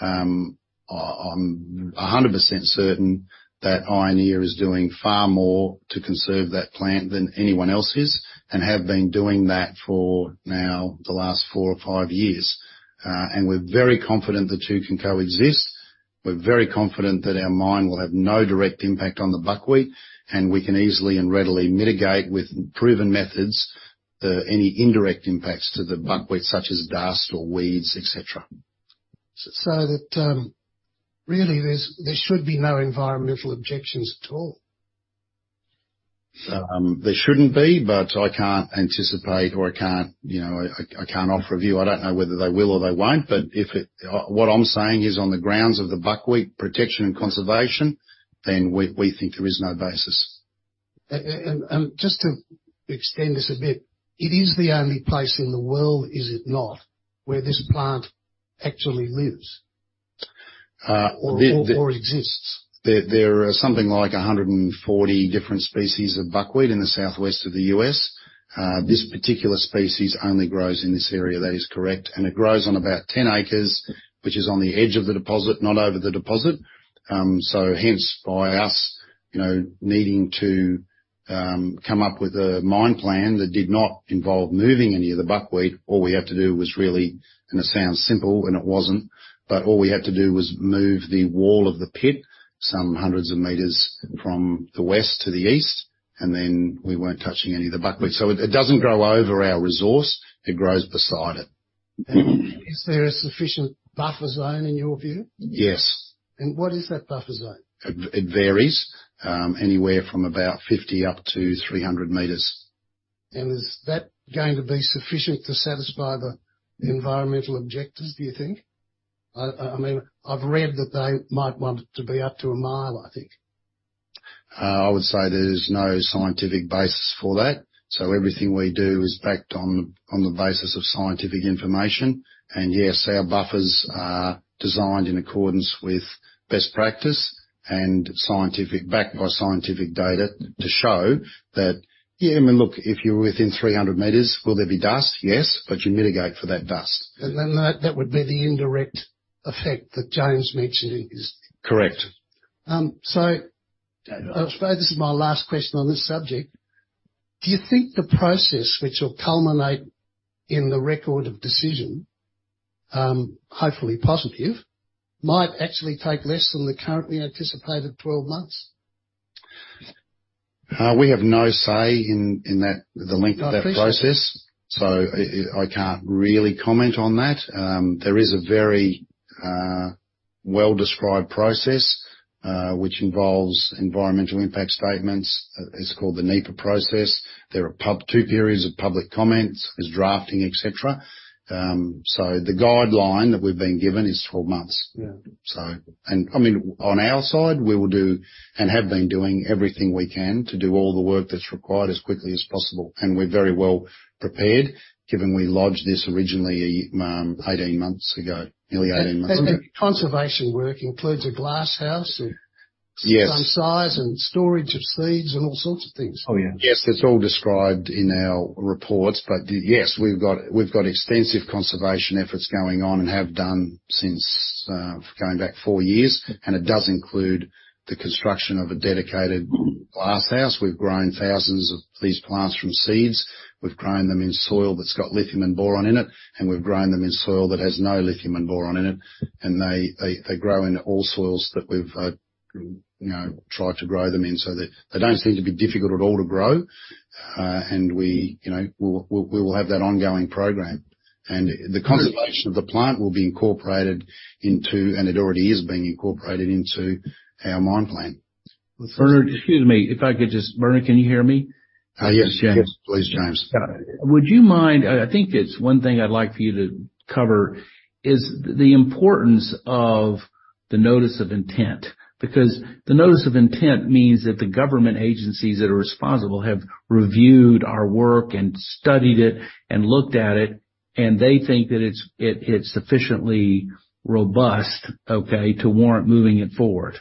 I'm 100% certain that Ioneer is doing far more to conserve that plant than anyone else is and have been doing that for now the last four or five years. We're very confident the two can coexist. We're very confident that our mine will have no direct impact on the buckwheat, and we can easily and readily mitigate with proven methods, any indirect impacts to the buckwheat, such as dust or weeds, et cetera. So that really there should be no environmental objections at all. There shouldn't be, but I can't anticipate or I can't, you know, I can't offer a view. I don't know whether they will or they won't. What I'm saying is, on the grounds of the buckwheat protection and conservation, then we think there is no basis. Just to extend this a bit, it is the only place in the world, is it not, where this plant actually lives? Uh, the- Exists. There are something like 140 different species of buckwheat in the Southwest of the U.S. This particular species only grows in this area. That is correct. It grows on about 10 acres, which is on the edge of the deposit, not over the deposit. Hence by us, you know, needing to come up with a mine plan that did not involve moving any of the buckwheat, all we had to do was really and it sounds simple, and it wasn't, but all we had to do was move the wall of the pit some hundreds of meters from the west to the east, and then we weren't touching any of the buckwheat. It doesn't grow over our resource, it grows beside it. Is there a sufficient buffer zone in your view? Yes. What is that buffer zone? It varies anywhere from about 50-300 meters. Is that going to be sufficient to satisfy the environmental objectors, do you think? I mean, I've read that they might want it to be up to a mile, I think. I would say there's no scientific basis for that. Everything we do is backed on the basis of scientific information. Yes, our buffers are designed in accordance with best practice and scientific-backed by scientific data to show that. Yeah, I mean, look, if you're within 300 meters, will there be dust? Yes. You mitigate for that dust. that would be the indirect effect that James mentioned in his Correct. I'll explain, this is my last question on this subject. Do you think the process which will culminate in the record of decision, hopefully positive, might actually take less than the currently anticipated 12 months? We have no say in that, the length of that process. Oh, I appreciate it. I can't really comment on that. There is a very well-described process which involves environmental impact statements. It's called the NEPA process. There are two periods of public comments, there's drafting, et cetera. The guideline that we've been given is 12 months. Yeah. I mean, on our side, we will do, and have been doing everything we can to do all the work that's required as quickly as possible. We're very well prepared, given we lodged this originally, 18 months ago. Nearly 18 months ago. Conservation work includes a glasshouse. Yes. Some size and storage of seeds and all sorts of things. Oh, yeah. Yes. It's all described in our reports. Yes, we've got extensive conservation efforts going on and have done since going back four years, and it does include the construction of a dedicated glasshouse. We've grown thousands of these plants from seeds. We've grown them in soil that's got lithium and boron in it, and we've grown them in soil that has no lithium and boron in it. They grow in all soils that we've you know tried to grow them in. They don't seem to be difficult at all to grow. We you know will have that ongoing program. The conservation of the plant will be incorporated into, and it already is being incorporated into our mine plan. Bernard, can you hear me? Yes. It's James. Please, James. I think it's one thing I'd like for you to cover is the importance of the notice of intent. Because the notice of intent means that the government agencies that are responsible have reviewed our work and studied it and looked at it, and they think that it's sufficiently robust, okay, to warrant moving it forward.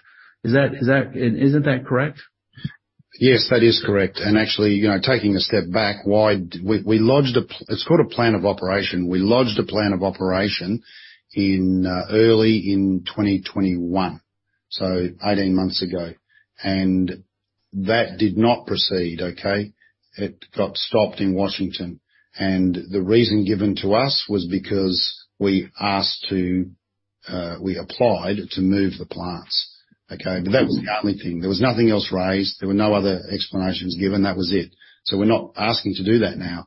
Is that? Isn't that correct? Yes, that is correct. Actually, you know, taking a step back, we lodged a plan of operation. We lodged a plan of operation in early 2021, so 18 months ago. That did not proceed, okay? It got stopped in Washington. The reason given to us was because we applied to move the plants, okay? That was the only thing. There were no other explanations given. That was it. We're not asking to do that now.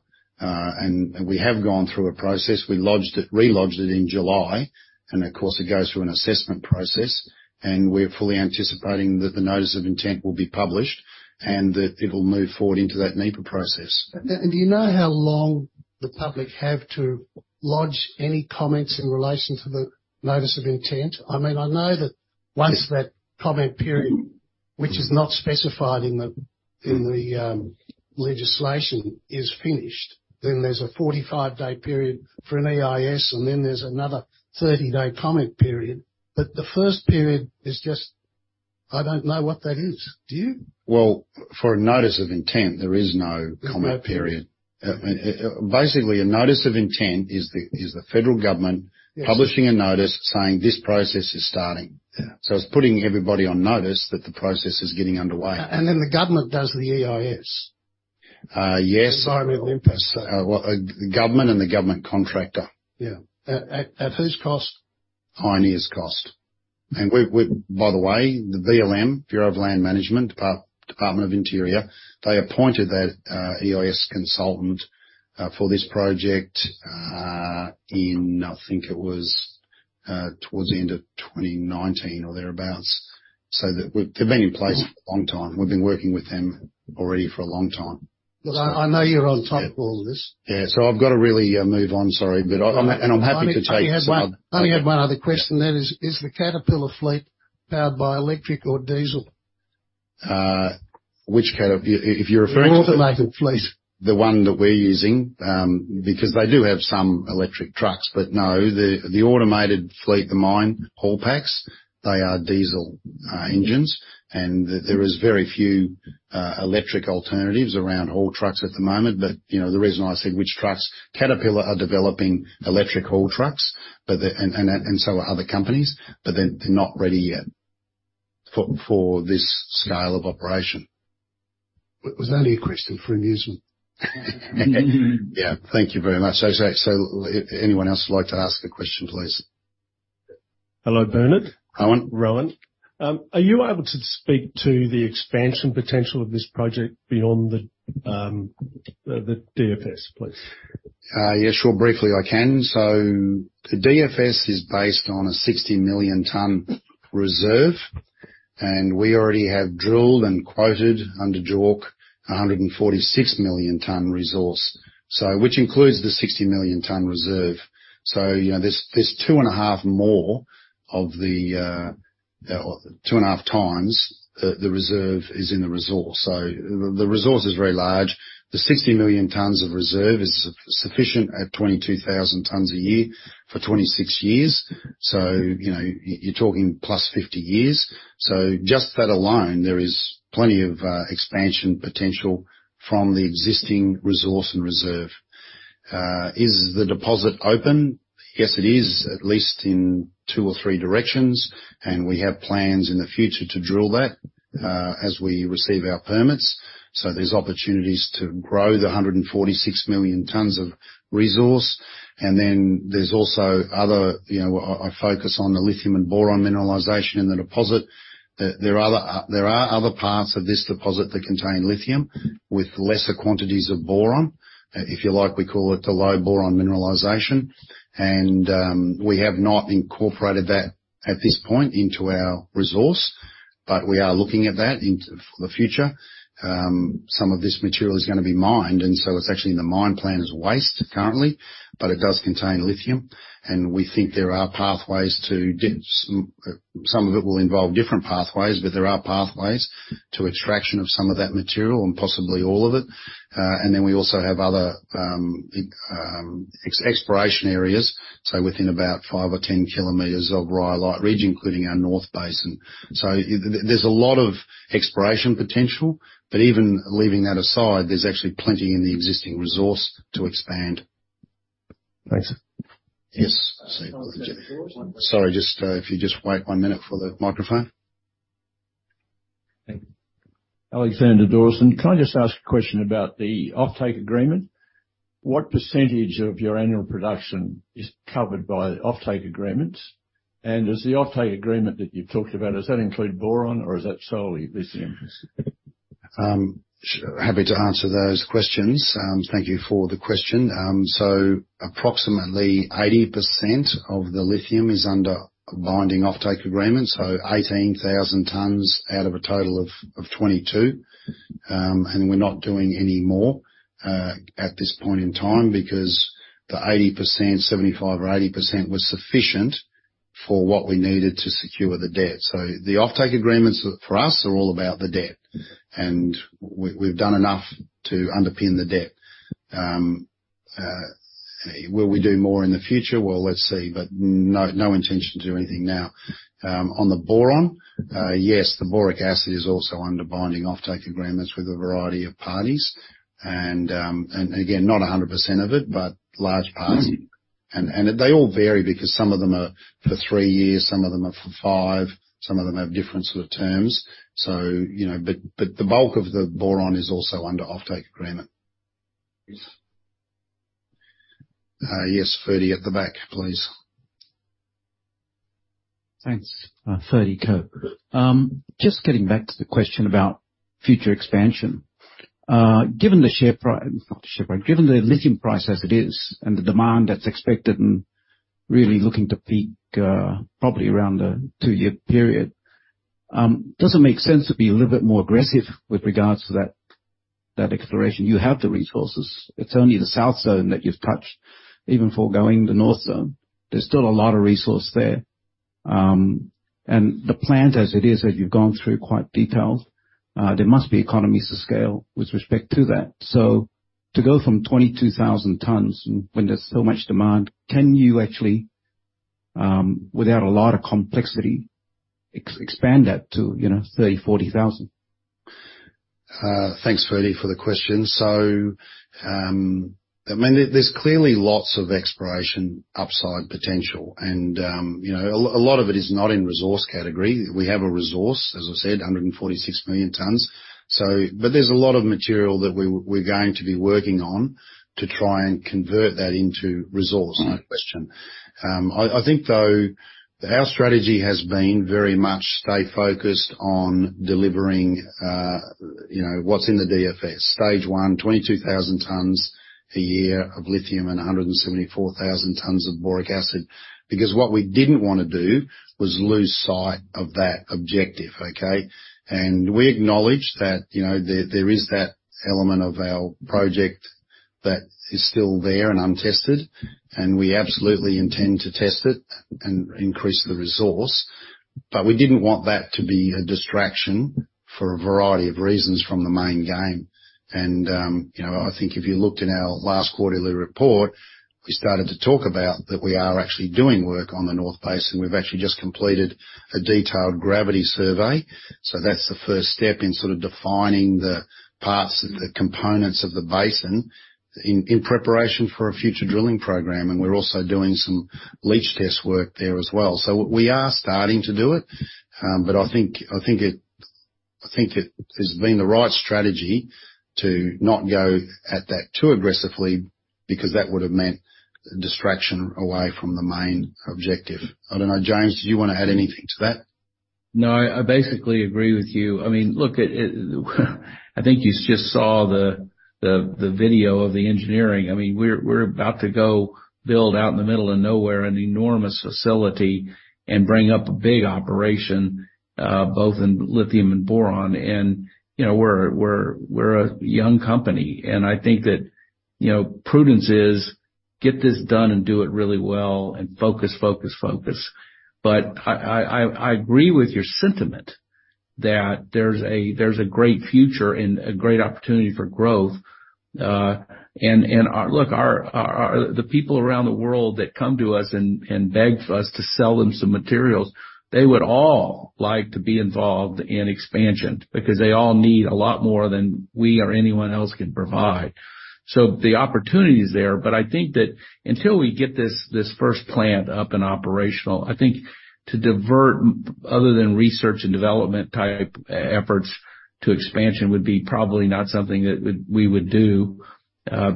We have gone through a process. We lodged it, re-lodged it in July, and of course, it goes through an assessment process, and we're fully anticipating that the notice of intent will be published and that it will move forward into that NEPA process. Do you know how long the public have to lodge any comments in relation to the notice of intent? I mean, I know that once that comment period, which is not specified in the legislation, is finished, then there's a 45-day period for an EIS, and then there's another 30-day comment period. But the first period is just, I don't know what that is. Do you? Well, for a notice of intent, there is no comment period. There's no period. Basically, a notice of intent is the federal government. Yes. Publishing a notice saying, "This process is starting. Yeah. It's putting everybody on notice that the process is getting underway. The government does the EIS? Yes. Environmental Impact Statement. Well, the government and the government contractor. Yeah. At whose cost? Ioneer's cost. By the way, the BLM, Bureau of Land Management, Department of the Interior, they appointed that EIS consultant for this project in, I think it was, towards the end of 2019 or thereabouts. They've been in place for a long time. We've been working with them already for a long time. Look, I know you're on top of all this. I've got to really move on. Sorry. I'm happy to take some- I only had one other question, that is the Caterpillar fleet powered by electric or diesel? If you're referring to The automated fleet. The one that we're using, because they do have some electric trucks. No, the automated fleet of mine Haulpak they are diesel engines. There is very few electric alternatives around haul trucks at the moment. You know, the reason I said which trucks, Caterpillar are developing electric haul trucks, but they and so are other companies, but they're not ready yet for this scale of operation. Was that your question for amusement? Yeah. Thank you very much. If anyone else would like to ask a question, please. Hello, Bernard. Rohan. Rohan. Bernard, are you able to speak to the expansion potential of this project beyond the DFS, please? Yes, sure. Briefly, I can. The DFS is based on a 60 million ton reserve, and we already have drilled and quoted under JORC a 146 million ton resource, which includes the 60 million ton reserve. You know, there's two and a half times the reserve in the resource. The resource is very large. The 60 million tons of reserve is sufficient at 22,000 tons a year for 26 years. You know, you're talking plus 50 years. Just that alone, there is plenty of expansion potential from the existing resource and reserve. Is the deposit open? Yes, it is, at least in two or three directions, and we have plans in the future to drill that, as we receive our permits. There are opportunities to grow the 146 million tons of resource. Then there's also other, you know, I focus on the lithium and boron mineralization in the deposit. There are other parts of this deposit that contain lithium with lesser quantities of boron. If you like, we call it the low boron mineralization. We have not incorporated that at this point into our resource, but we are looking at that in the future. Some of this material is gonna be mined, and so it's actually in the mine plan as waste currently, but it does contain lithium, and we think there are pathways. Some of it will involve different pathways, but there are pathways to extraction of some of that material and possibly all of it. We also have other exploration areas, so within about five or 10 kilometers of Rhyolite Ridge, including our north basin. There's a lot of exploration potential. Even leaving that aside, there's actually plenty in the existing resource to expand. Thanks. Yes. Sorry, just, if you just wait one minute for the microphone. Thank you. Alexander Dawson. Can I just ask a question about the offtake agreement? What percentage of your annual production is covered by offtake agreements? Does that include boron or is that solely lithium? Happy to answer those questions. Thank you for the question. So approximately 80% of the lithium is under a binding offtake agreement, so 18,000 tons out of a total of 22. We're not doing any more at this point in time because the 80%, 75% or 80% was sufficient for what we needed to secure the debt. The offtake agreements for us are all about the debt, and we've done enough to underpin the debt. Will we do more in the future? Well, let's see, but no intention to do anything now. On the boron. Yes, the boric acid is also under binding offtake agreements with a variety of parties. Again, not 100% of it, but large parts. They all vary because some of them are for three years, some of them are for five, some of them have different sort of terms. You know, but the bulk of the boron is also under offtake agreement. Thanks. Yes, Ferdi at the back, please. Thanks. Ferdi Coe. Just getting back to the question about future expansion. Given the lithium price as it is and the demand that's expected and really looking to peak, probably around a two-year period, does it make sense to be a little bit more aggressive with regards to that exploration? You have the resources. It's only the south zone that you've touched. Even foregoing the north zone, there's still a lot of resource there. And the plant as it is, as you've gone through quite detailed, there must be economies of scale with respect to that. To go from 22,000 tons when there's so much demand, can you actually, without a lot of complexity, expand that to, you know, 30,000, 40,000? Thanks, Ferdi, for the question. I mean, there's clearly lots of exploration upside potential and, you know, a lot of it is not in resource category. We have a resource, as I said, 146 million tons. But there's a lot of material that we're going to be working on to try and convert that into resource, no question. I think, though, our strategy has been very much stay focused on delivering, you know, what's in the DFS. Stage one, 22,000 tons a year of lithium and 174,000 tons of boric acid. Because what we didn't wanna do was lose sight of that objective, okay. We acknowledge that, you know, there is that element of our project that is still there and untested, and we absolutely intend to test it and increase the resource. But we didn't want that to be a distraction for a variety of reasons from the main game. You know, I think if you looked in our last quarterly report, we started to talk about that we are actually doing work on the North Basin. We've actually just completed a detailed gravity survey. That's the first step in sort of defining the parts, the components of the basin in preparation for a future drilling program. We're also doing some leach test work there as well. We are starting to do it, but I think it has been the right strategy to not go at that too aggressively because that would have meant distraction away from the main objective. I don't know. James, did you want to add anything to that? No, I basically agree with you. I mean, look, it. I think you just saw the video of the engineering. I mean, we're about to go build out in the middle of nowhere an enormous facility and bring up a big operation both in lithium and boron. You know, we're a young company, and I think that, you know, prudence is get this done and do it really well and focus. I agree with your sentiment that there's a great future and a great opportunity for growth. Look, our the people around the world that come to us and beg us to sell them some materials, they would all like to be involved in expansion because they all need a lot more than we or anyone else can provide. The opportunity is there. I think that until we get this first plant up and operational, I think to divert other than research and development-type efforts to expansion would be probably not something that we would do,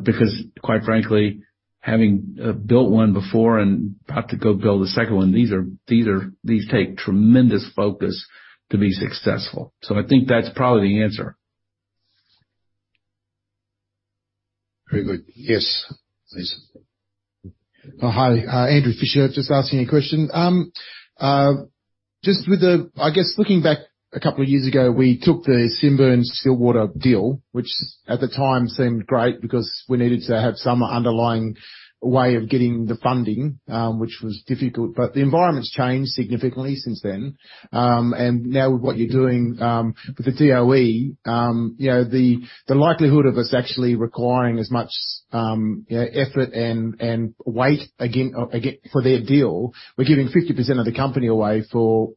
because quite frankly, having built one before and about to go build a second one, these take tremendous focus to be successful. I think that's probably the answer. Very good. Yes, please. Andrew Fisher. Just asking a question. I guess looking back a couple of years ago, we took the Sibanye-Stillwater deal, which at the time seemed great because we needed to have some underlying way of getting the funding, which was difficult. The environment's changed significantly since then. Now with what you're doing with the DOE, you know, the likelihood of us actually requiring as much, you know, effort and weight again for their deal, we're giving 50% of the company away for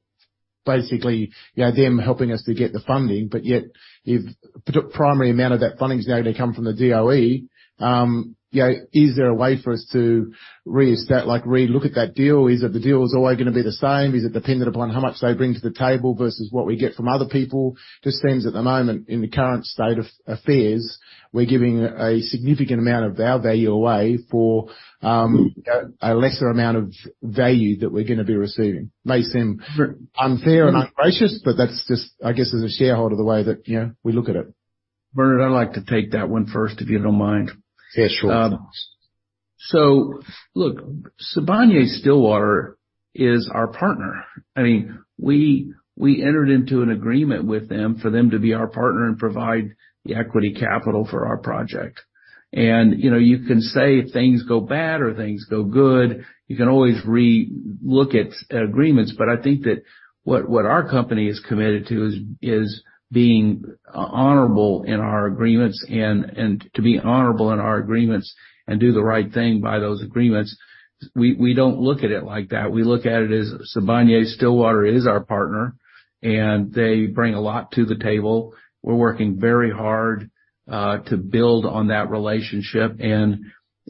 basically, you know, them helping us to get the funding. Yet the primary amount of that funding is now going to come from the DOE. You know, is there a way for us to re-look at that deal? Is it the deal is always gonna be the same? Is it dependent upon how much they bring to the table versus what we get from other people? Just seems at the moment, in the current state of affairs, we're giving a significant amount of our value away for a lesser amount of value that we're gonna be receiving. May seem unfair and ungracious, but that's just, I guess, as a shareholder, the way that, you know, we look at it. Bernard, I'd like to take that one first, if you don't mind. Yeah, sure. Sibanye-Stillwater is our partner. I mean, we entered into an agreement with them for them to be our partner and provide the equity capital for our project. You know, you can say if things go bad or things go good, you can always re-look at agreements. But I think that what our company is committed to is being honorable in our agreements and to be honorable in our agreements and do the right thing by those agreements. We don't look at it like that. We look at it as Sibanye-Stillwater is our partner, and they bring a lot to the table. We're working very hard to build on that relationship.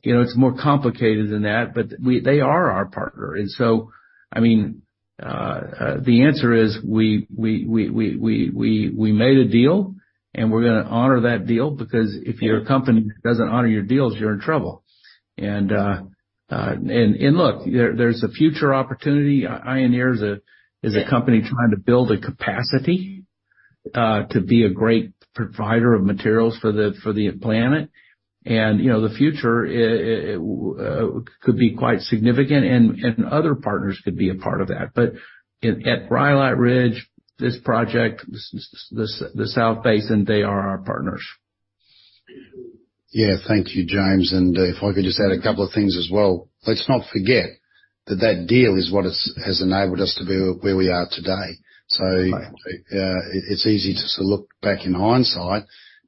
You know, it's more complicated than that, but they are our partner. I mean, the answer is we made a deal and we're gonna honor that deal because if you're a company that doesn't honor your deals, you're in trouble. Look, there's a future opportunity. Ioneer is a company trying to build a capacity to be a great provider of materials for the planet. You know, the future could be quite significant and other partners could be a part of that. But at Rhyolite Ridge, this project, the South Basin, they are our partners. Yeah. Thank you, James. If I could just add a couple of things as well. Let's not forget that deal is what has enabled us to be where we are today. It's easy to sort of look back in hindsight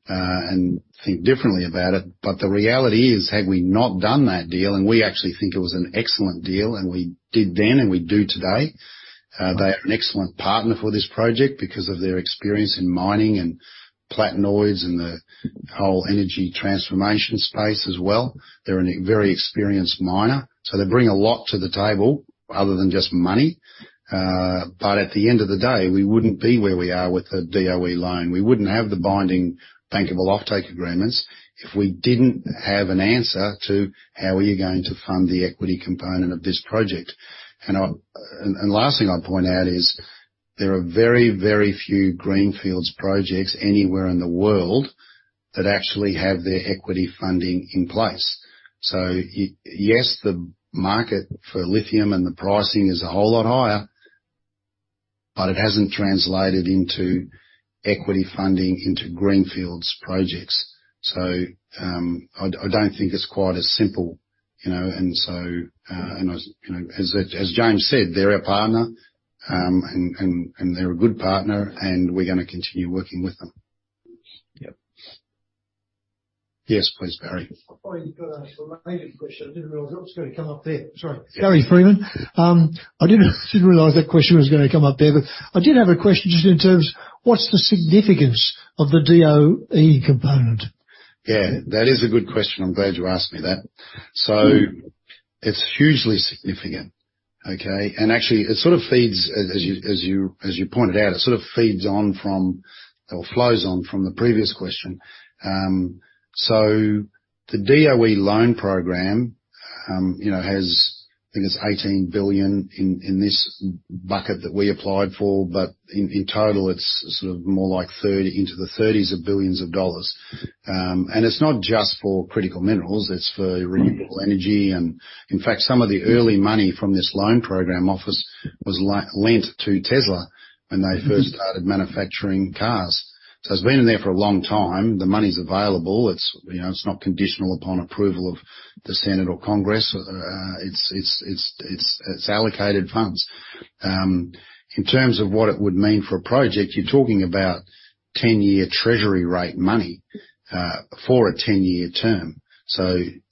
and think differently about it. The reality is, had we not done that deal, and we actually think it was an excellent deal, and we did then, and we do today. They are an excellent partner for this project because of their experience in mining and platinum and the whole energy transformation space as well. They're a very experienced miner, so they bring a lot to the table other than just money. At the end of the day, we wouldn't be where we are with the DOE loan. We wouldn't have the binding bankable offtake agreements if we didn't have an answer to how are you going to fund the equity component of this project. Last thing I'd point out is there are very, very few greenfields projects anywhere in the world that actually have their equity funding in place. Yes, the market for lithium and the pricing is a whole lot higher. It hasn't translated into equity funding into greenfields projects. I don't think it's quite as simple, you know. I was, you know, as James said, they're our partner, and they're a good partner, and we're gonna continue working with them. Yep. Yes, please, Barry. I thought you were gonna ask a related question. I didn't realize it was gonna come up there. Sorry. Barry Freeman. I didn't realize that question was gonna come up there, but I did have a question just in terms of what's the significance of the DOE component? Yeah, that is a good question. I'm glad you asked me that. It's hugely significant. Okay. Actually, as you pointed out, it sort of feeds on from or flows on from the previous question. The DOE Loan Programs Office, you know, has, I think, $18 billion in this bucket that we applied for, but in total, it's sort of more like into the 30s of billions of dollars. It's not just for critical minerals, it's for renewable energy. In fact, some of the early money from this Loan Programs Office was lent to Tesla when they first started manufacturing cars. It's been in there for a long time. The money's available. It's, you know, not conditional upon approval of the Senate or Congress. It's allocated funds. In terms of what it would mean for a project, you're talking about ten-year treasury rate money, for a ten-year term.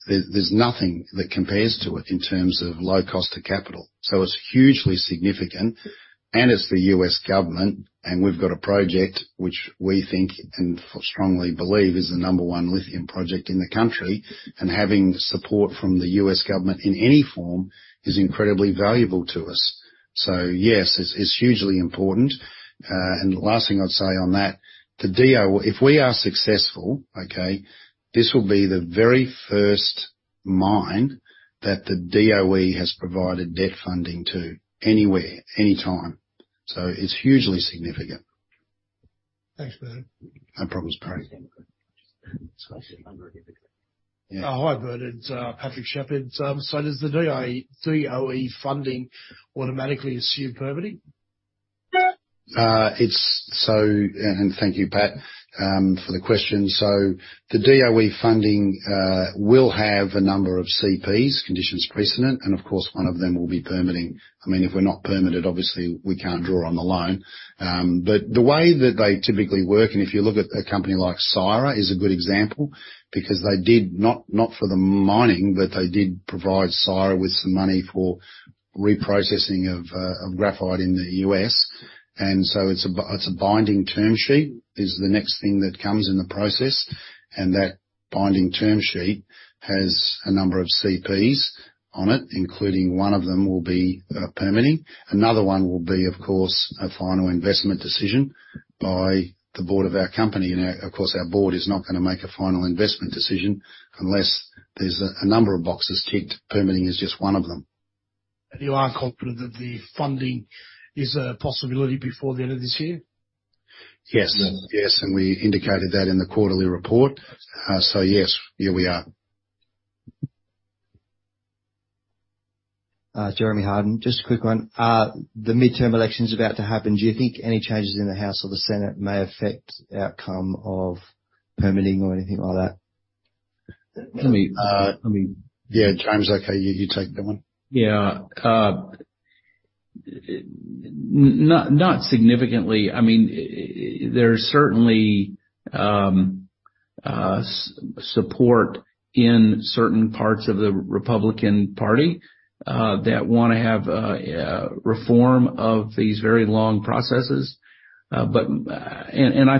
There's nothing that compares to it in terms of low cost of capital. It's hugely significant, and it's the U.S. government, and we've got a project which we think and strongly believe is the number one lithium project in the country. Having support from the U.S. government in any form is incredibly valuable to us. Yes, it's hugely important. The last thing I'd say on that, if we are successful, this will be the very first mine that the DOE has provided debt funding to anywhere, anytime. It's hugely significant. Thanks, Bernard. No problems, Barry. Yeah. Oh, hi, Bernard. It's Patrick Sheppard. Does the DOE funding automatically assume permitting? Thank you, Pat, for the question. The DOE funding will have a number of CPs, conditions precedent, and of course, one of them will be permitting. I mean, if we're not permitted, obviously we can't draw on the loan. But the way that they typically work, and if you look at a company like Syrah, is a good example, because they did provide Syrah with some money for reprocessing of graphite in the U.S. A binding term sheet is the next thing that comes in the process. That binding term sheet has a number of CPs on it, including one of them will be permitting. Another one will be, of course, a final investment decision by the board of our company. Of course, our board is not gonna make a final investment decision unless there's a number of boxes ticked. Permitting is just one of them. You are confident that the funding is a possibility before the end of this year? Yes. Yes, and we indicated that in the quarterly report. Yes, yeah, we are. Jeremy Harden. Just a quick one. The midterm election's about to happen. Do you think any changes in the House or the Senate may affect outcome of permitting or anything like that? Yeah, James. Okay. You take that one. Yeah. Not significantly. I mean, there's certainly support in certain parts of the Republican Party that wanna have reform of these very long processes. I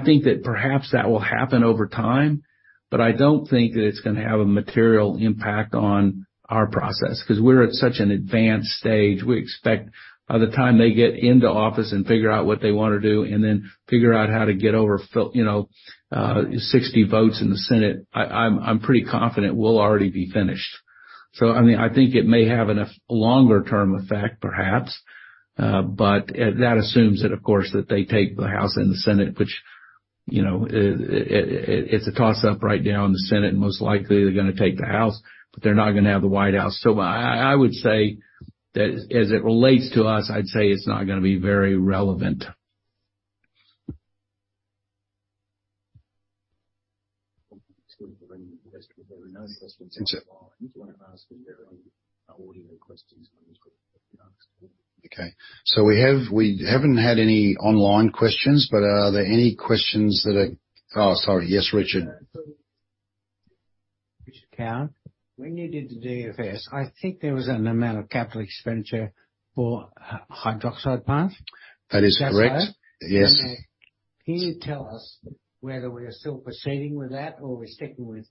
think that perhaps that will happen over time, but I don't think that it's gonna have a material impact on our process, 'cause we're at such an advanced stage. We expect by the time they get into office and figure out what they wanna do and then figure out how to get over filibuster you know, 60 votes in the Senate, I'm pretty confident we'll already be finished. I mean, I think it may have a longer term effect perhaps, but that assumes that, of course, that they take the House and the Senate, which, you know, it's a toss-up right now in the Senate, and most likely they're gonna take the House, but they're not gonna have the White House. I would say that as it relates to us, I'd say it's not gonna be very relevant. If there are any questions. If there are no questions online. That's it. Do you wanna ask if there are any audio questions on this group? Okay. We haven't had any online questions, but are there any questions? Oh, sorry. Yes, Richard. Richard Cowan. When you did the DFS, I think there was an amount of capital expenditure for lithium hydroxide plants. That is correct. Is that so? Yes. Can you tell us whether we are still proceeding with that or we're sticking with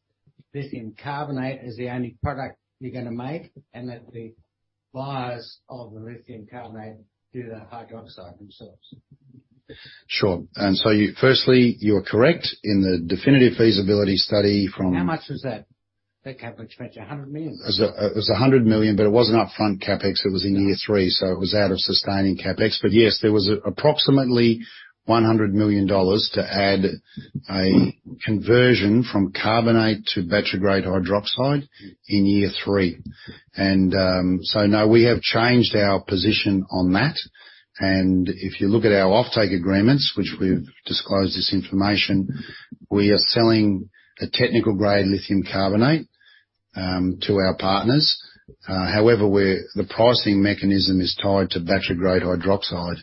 lithium carbonate as the only product you're gonna make, and that the buyers of the lithium carbonate do the hydroxide themselves? Sure. Firstly, you're correct. In the definitive feasibility study from How much was that? The CapEx spent $100 million. It was $100 million, but it wasn't upfront CapEx, it was in year three, so it was out of sustaining CapEx. Yes, there was approximately $100 million to add a conversion from carbonate to battery-grade hydroxide in year three. No, we have changed our position on that. If you look at our offtake agreements, which we've disclosed this information, we are selling a technical-grade lithium carbonate to our partners. However, the pricing mechanism is tied to battery-grade hydroxide.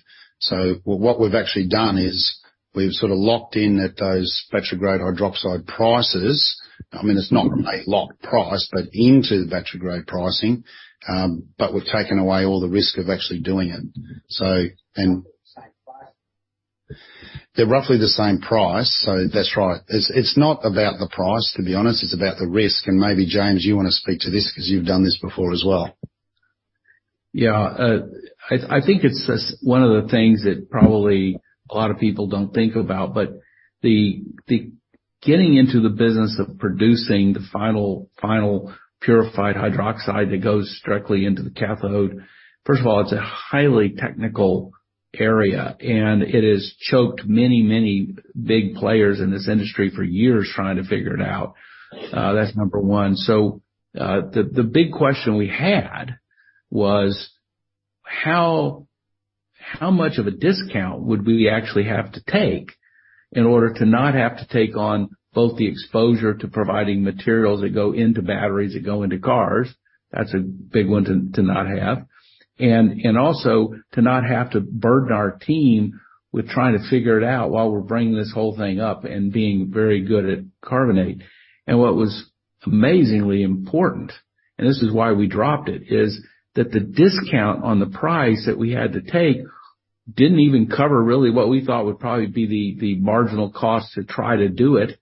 What we've actually done is we've sort of locked in at those battery-grade hydroxide prices. I mean, it's not a locked price, but into battery-grade pricing. We've taken away all the risk of actually doing it. They're roughly the same price. They're roughly the same price, so that's right. It's not about the price, to be honest. It's about the risk. Maybe, James, you wanna speak to this 'cause you've done this before as well. Yeah. I think it's just one of the things that probably a lot of people don't think about, but the getting into the business of producing the final purified hydroxide that goes directly into the cathode. First of all, it's a highly technical area, and it has choked many big players in this industry for years trying to figure it out. That's number one. The big question we had was, how much of a discount would we actually have to take in order to not have to take on both the exposure to providing materials that go into batteries that go into cars? That's a big one to not have. Also to not have to burden our team with trying to figure it out while we're bringing this whole thing up and being very good at carbonate. What was amazingly important, and this is why we dropped it, is that the discount on the price that we had to take didn't even cover really what we thought would probably be the marginal cost to try to do it.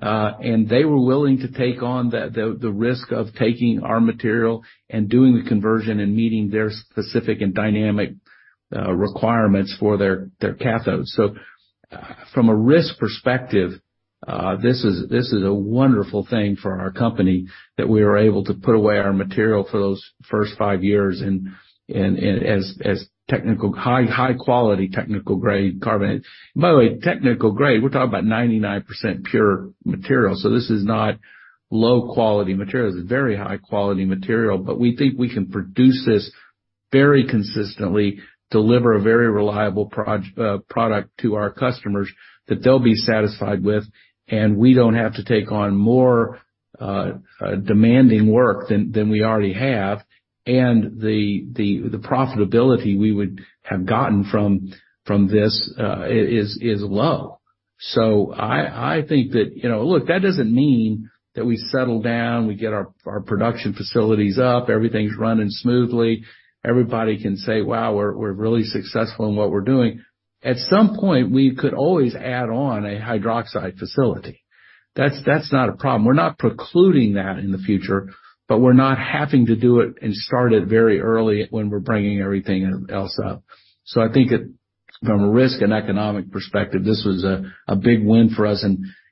They were willing to take on the risk of taking our material and doing the conversion and meeting their specific and dynamic requirements for their cathodes. From a risk perspective, this is a wonderful thing for our company, that we were able to put away our material for those first five years and as high quality technical grade carbonate. By the way, technical grade, we're talking about 99% pure material, so this is not low-quality material. This is very high quality material. We think we can produce this very consistently, deliver a very reliable product to our customers that they'll be satisfied with, and we don't have to take on more demanding work than we already have. The profitability we would have gotten from this is low. I think that, you know, look, that doesn't mean that we settle down, we get our production facilities up, everything's running smoothly. Everybody can say, "Wow, we're really successful in what we're doing." At some point, we could always add on a hydroxide facility. That's not a problem. We're not precluding that in the future, but we're not having to do it and start it very early when we're bringing everything else up. I think from a risk and economic perspective, this was a big win for us.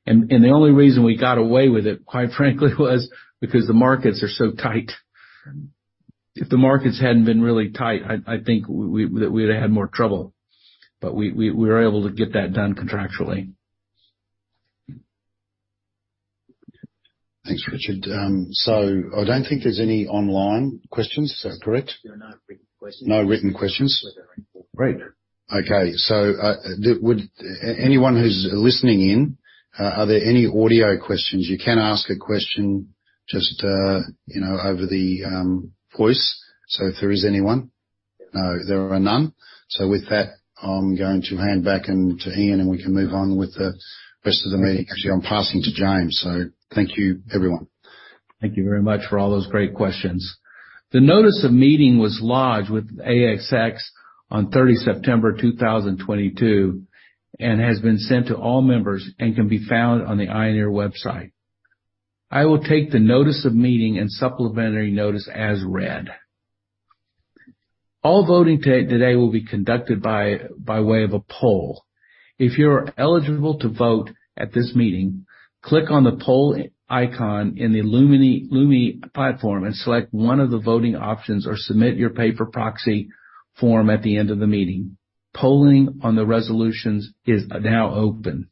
The only reason we got away with it, quite frankly, was because the markets are so tight. If the markets hadn't been really tight, I think we would've had more trouble. We were able to get that done contractually. Thanks, Richard. I don't think there's any online questions, is that correct? There are no written questions. No written questions. Great. Okay. Would anyone who's listening in, are there any audio questions? You can ask a question just, you know, over the voice. If there is anyone? No, there are none. With that, I'm going to hand back then to Ian, and we can move on with the rest of the meeting. Actually, I'm passing to James. Thank you, everyone. Thank you very much for all those great questions. The notice of meeting was lodged with ASX on 30 September 2022, and has been sent to all members and can be found on the Ioneer website. I will take the notice of meeting and supplementary notice as read. All voting today will be conducted by way of a poll. If you're eligible to vote at this meeting, click on the poll icon in the Lumi platform and select one of the voting options or submit your paper proxy form at the end of the meeting. Polling on the resolutions is now open.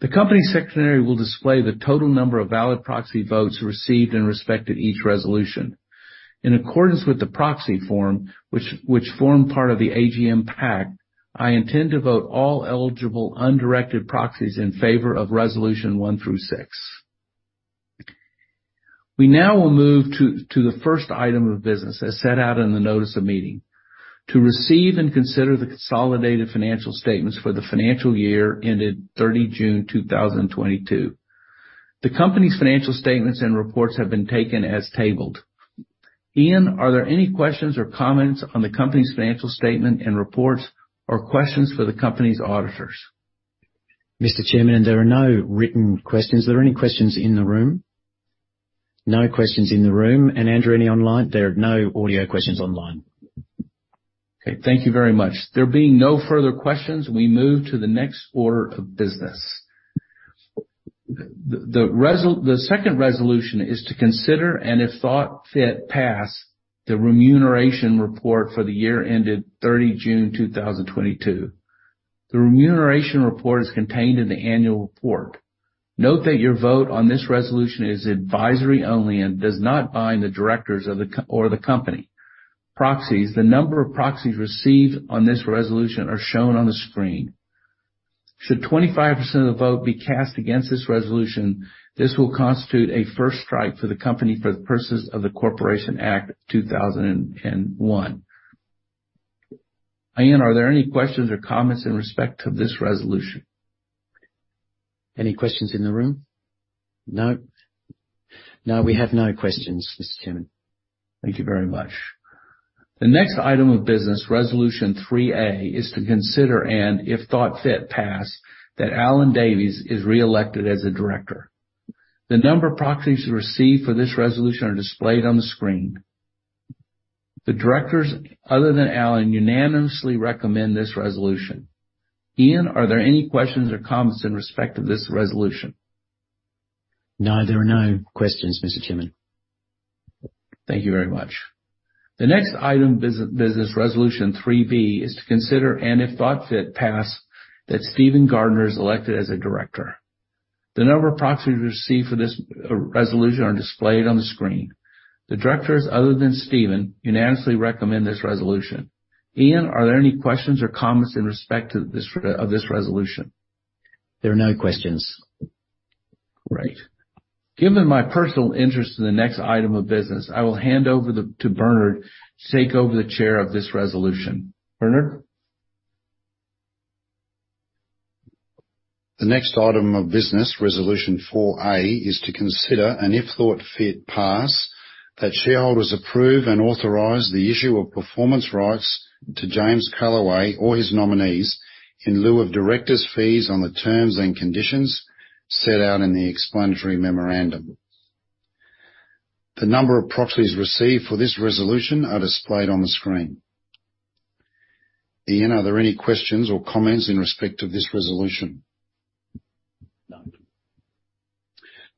The company's secretary will display the total number of valid proxy votes received in respect to each resolution. In accordance with the proxy form, which form part of the AGM pack, I intend to vote all eligible undirected proxies in favor of resolution one through six. We now will move to the first item of business as set out in the notice of meeting, to receive and consider the consolidated financial statements for the financial year ended 30 June 2022. The company's financial statements and reports have been taken as tabled. Ian, are there any questions or comments on the company's financial statement and reports or questions for the company's auditors? Mr. Chairman, there are no written questions. Are there any questions in the room? No questions in the room. Andrew, any online? There are no audio questions online. Okay, thank you very much. There being no further questions, we move to the next order of business. The second resolution is to consider, and if thought fit, pass the remuneration report for the year ended 30 June 2022. The remuneration report is contained in the annual report. Note that your vote on this resolution is advisory only and does not bind the directors of the company. Proxies, the number of proxies received on this resolution are shown on the screen. Should 25% of the vote be cast against this resolution, this will constitute a first strike for the company for the purposes of the Corporations Act 2001. Ian, are there any questions or comments in respect to this resolution? Any questions in the room? No. We have no questions, Mr. Chairman. Thank you very much. The next item of business, resolution three A, is to consider, and if thought fit, pass that Alan Davies is re-elected as a director. The number of proxies received for this resolution are displayed on the screen. The directors, other than Alan, unanimously recommend this resolution. Ian, are there any questions or comments in respect to this resolution? No, there are no questions, Mr. Chairman. Thank you very much. The next item of business, resolution three B, is to consider, and if thought fit, pass that Stephen Gardiner is elected as a director. The number of proxies received for this resolution are displayed on the screen. The directors, other than Stephen, unanimously recommend this resolution. Ian, are there any questions or comments in respect to this resolution? There are no questions. Great. Given my personal interest in the next item of business, I will hand over to Bernard to take over the chair of this resolution. Bernard?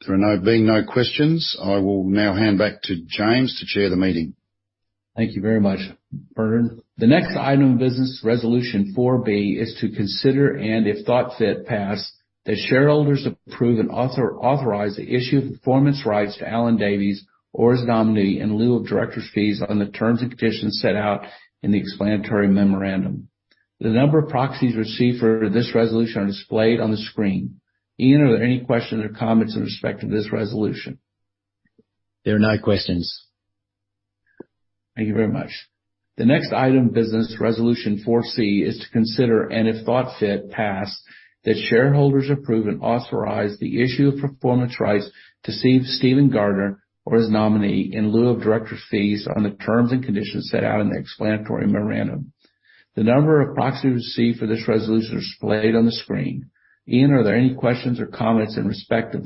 There are no questions, James. Thank you. The next item of business, resolution 4D, is to consider, and if it thought fit, that shareholders approve and authorize the issue of performance rights to Rose McKinney-James or her nominee in lieu of directors' fees on the terms and conditions set out in the explanatory memorandum. The number of proxies received for this resolution are displayed on the screen. Ian, are there any questions or comments in respect to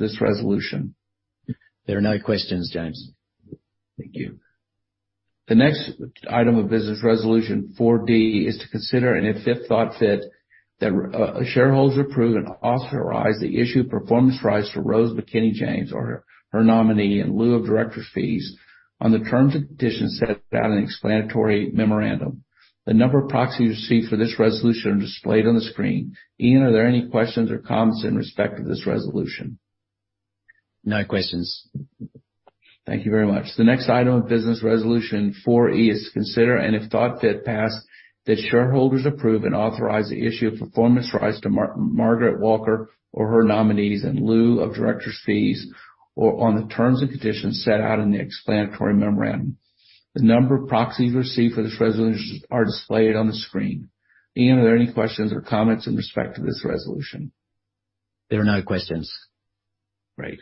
this resolution? No questions. Thank you very much. The next item of business, resolution 4E, is to consider, and if thought fit, pass that shareholders approve and authorize the issue of performance rights to Margaret Walker or her nominees in lieu of directors' fees or on the terms and conditions set out in the explanatory memorandum. The number of proxies received for this resolution are displayed on the screen. Ian, are there any questions or comments in respect to this resolution? There are no questions. Great.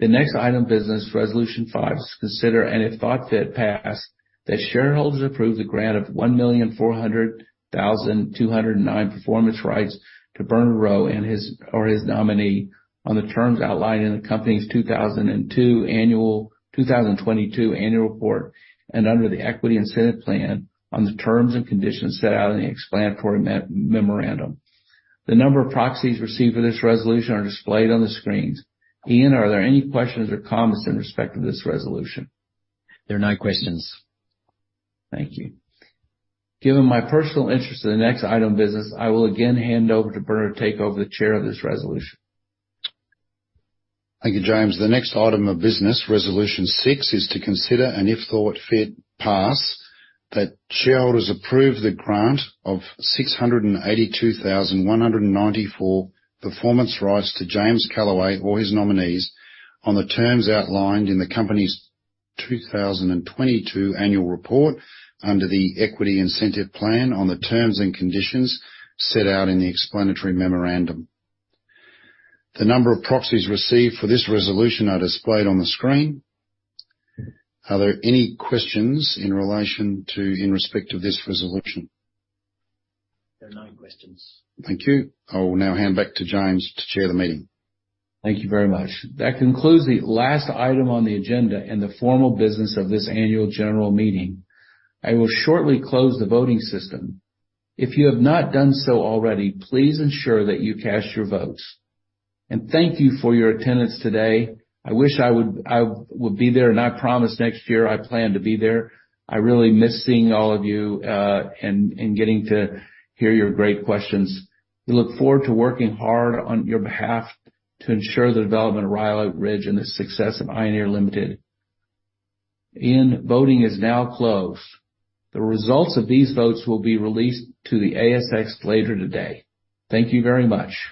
The next item of business, resolution five, is to consider, and if thought fit, pass that shareholders approve the grant of 1,400,209 performance rights to Bernard Rowe or his nominee on the terms outlined in the company's 2002 annual. 2022 annual report and under the equity incentive plan on the terms and conditions set out in the explanatory memorandum. The number of proxies received for this resolution are displayed on the screens. Ian, are there any questions or comments in respect to this resolution? There are no questions. Thank you. Given my personal interest in the next item of business, I will again hand over to Bernard to take over the chair of this resolution. Thank you, James. The next item of business, resolution six, is to consider, and if thought fit, pass that shareholders approve the grant of 682,194 performance rights to James Calaway or his nominees on the terms outlined in the company's 2022 annual report under the equity incentive plan on the terms and conditions set out in the explanatory memorandum. The number of proxies received for this resolution are displayed on the screen. Are there any questions in relation to, in respect to this resolution? There are no questions. Thank you. I will now hand back to James to chair the meeting. Thank you very much. That concludes the last item on the agenda and the formal business of this annual general meeting. I will shortly close the voting system. If you have not done so already, please ensure that you cast your votes. Thank you for your attendance today. I wish I would be there, and I promise next year I plan to be there. I really miss seeing all of you, and getting to hear your great questions. We look forward to working hard on your behalf to ensure the development of Rhyolite Ridge and the success of Ioneer Ltd. Ian, voting is now closed. The results of these votes will be released to the ASX later today. Thank you very much.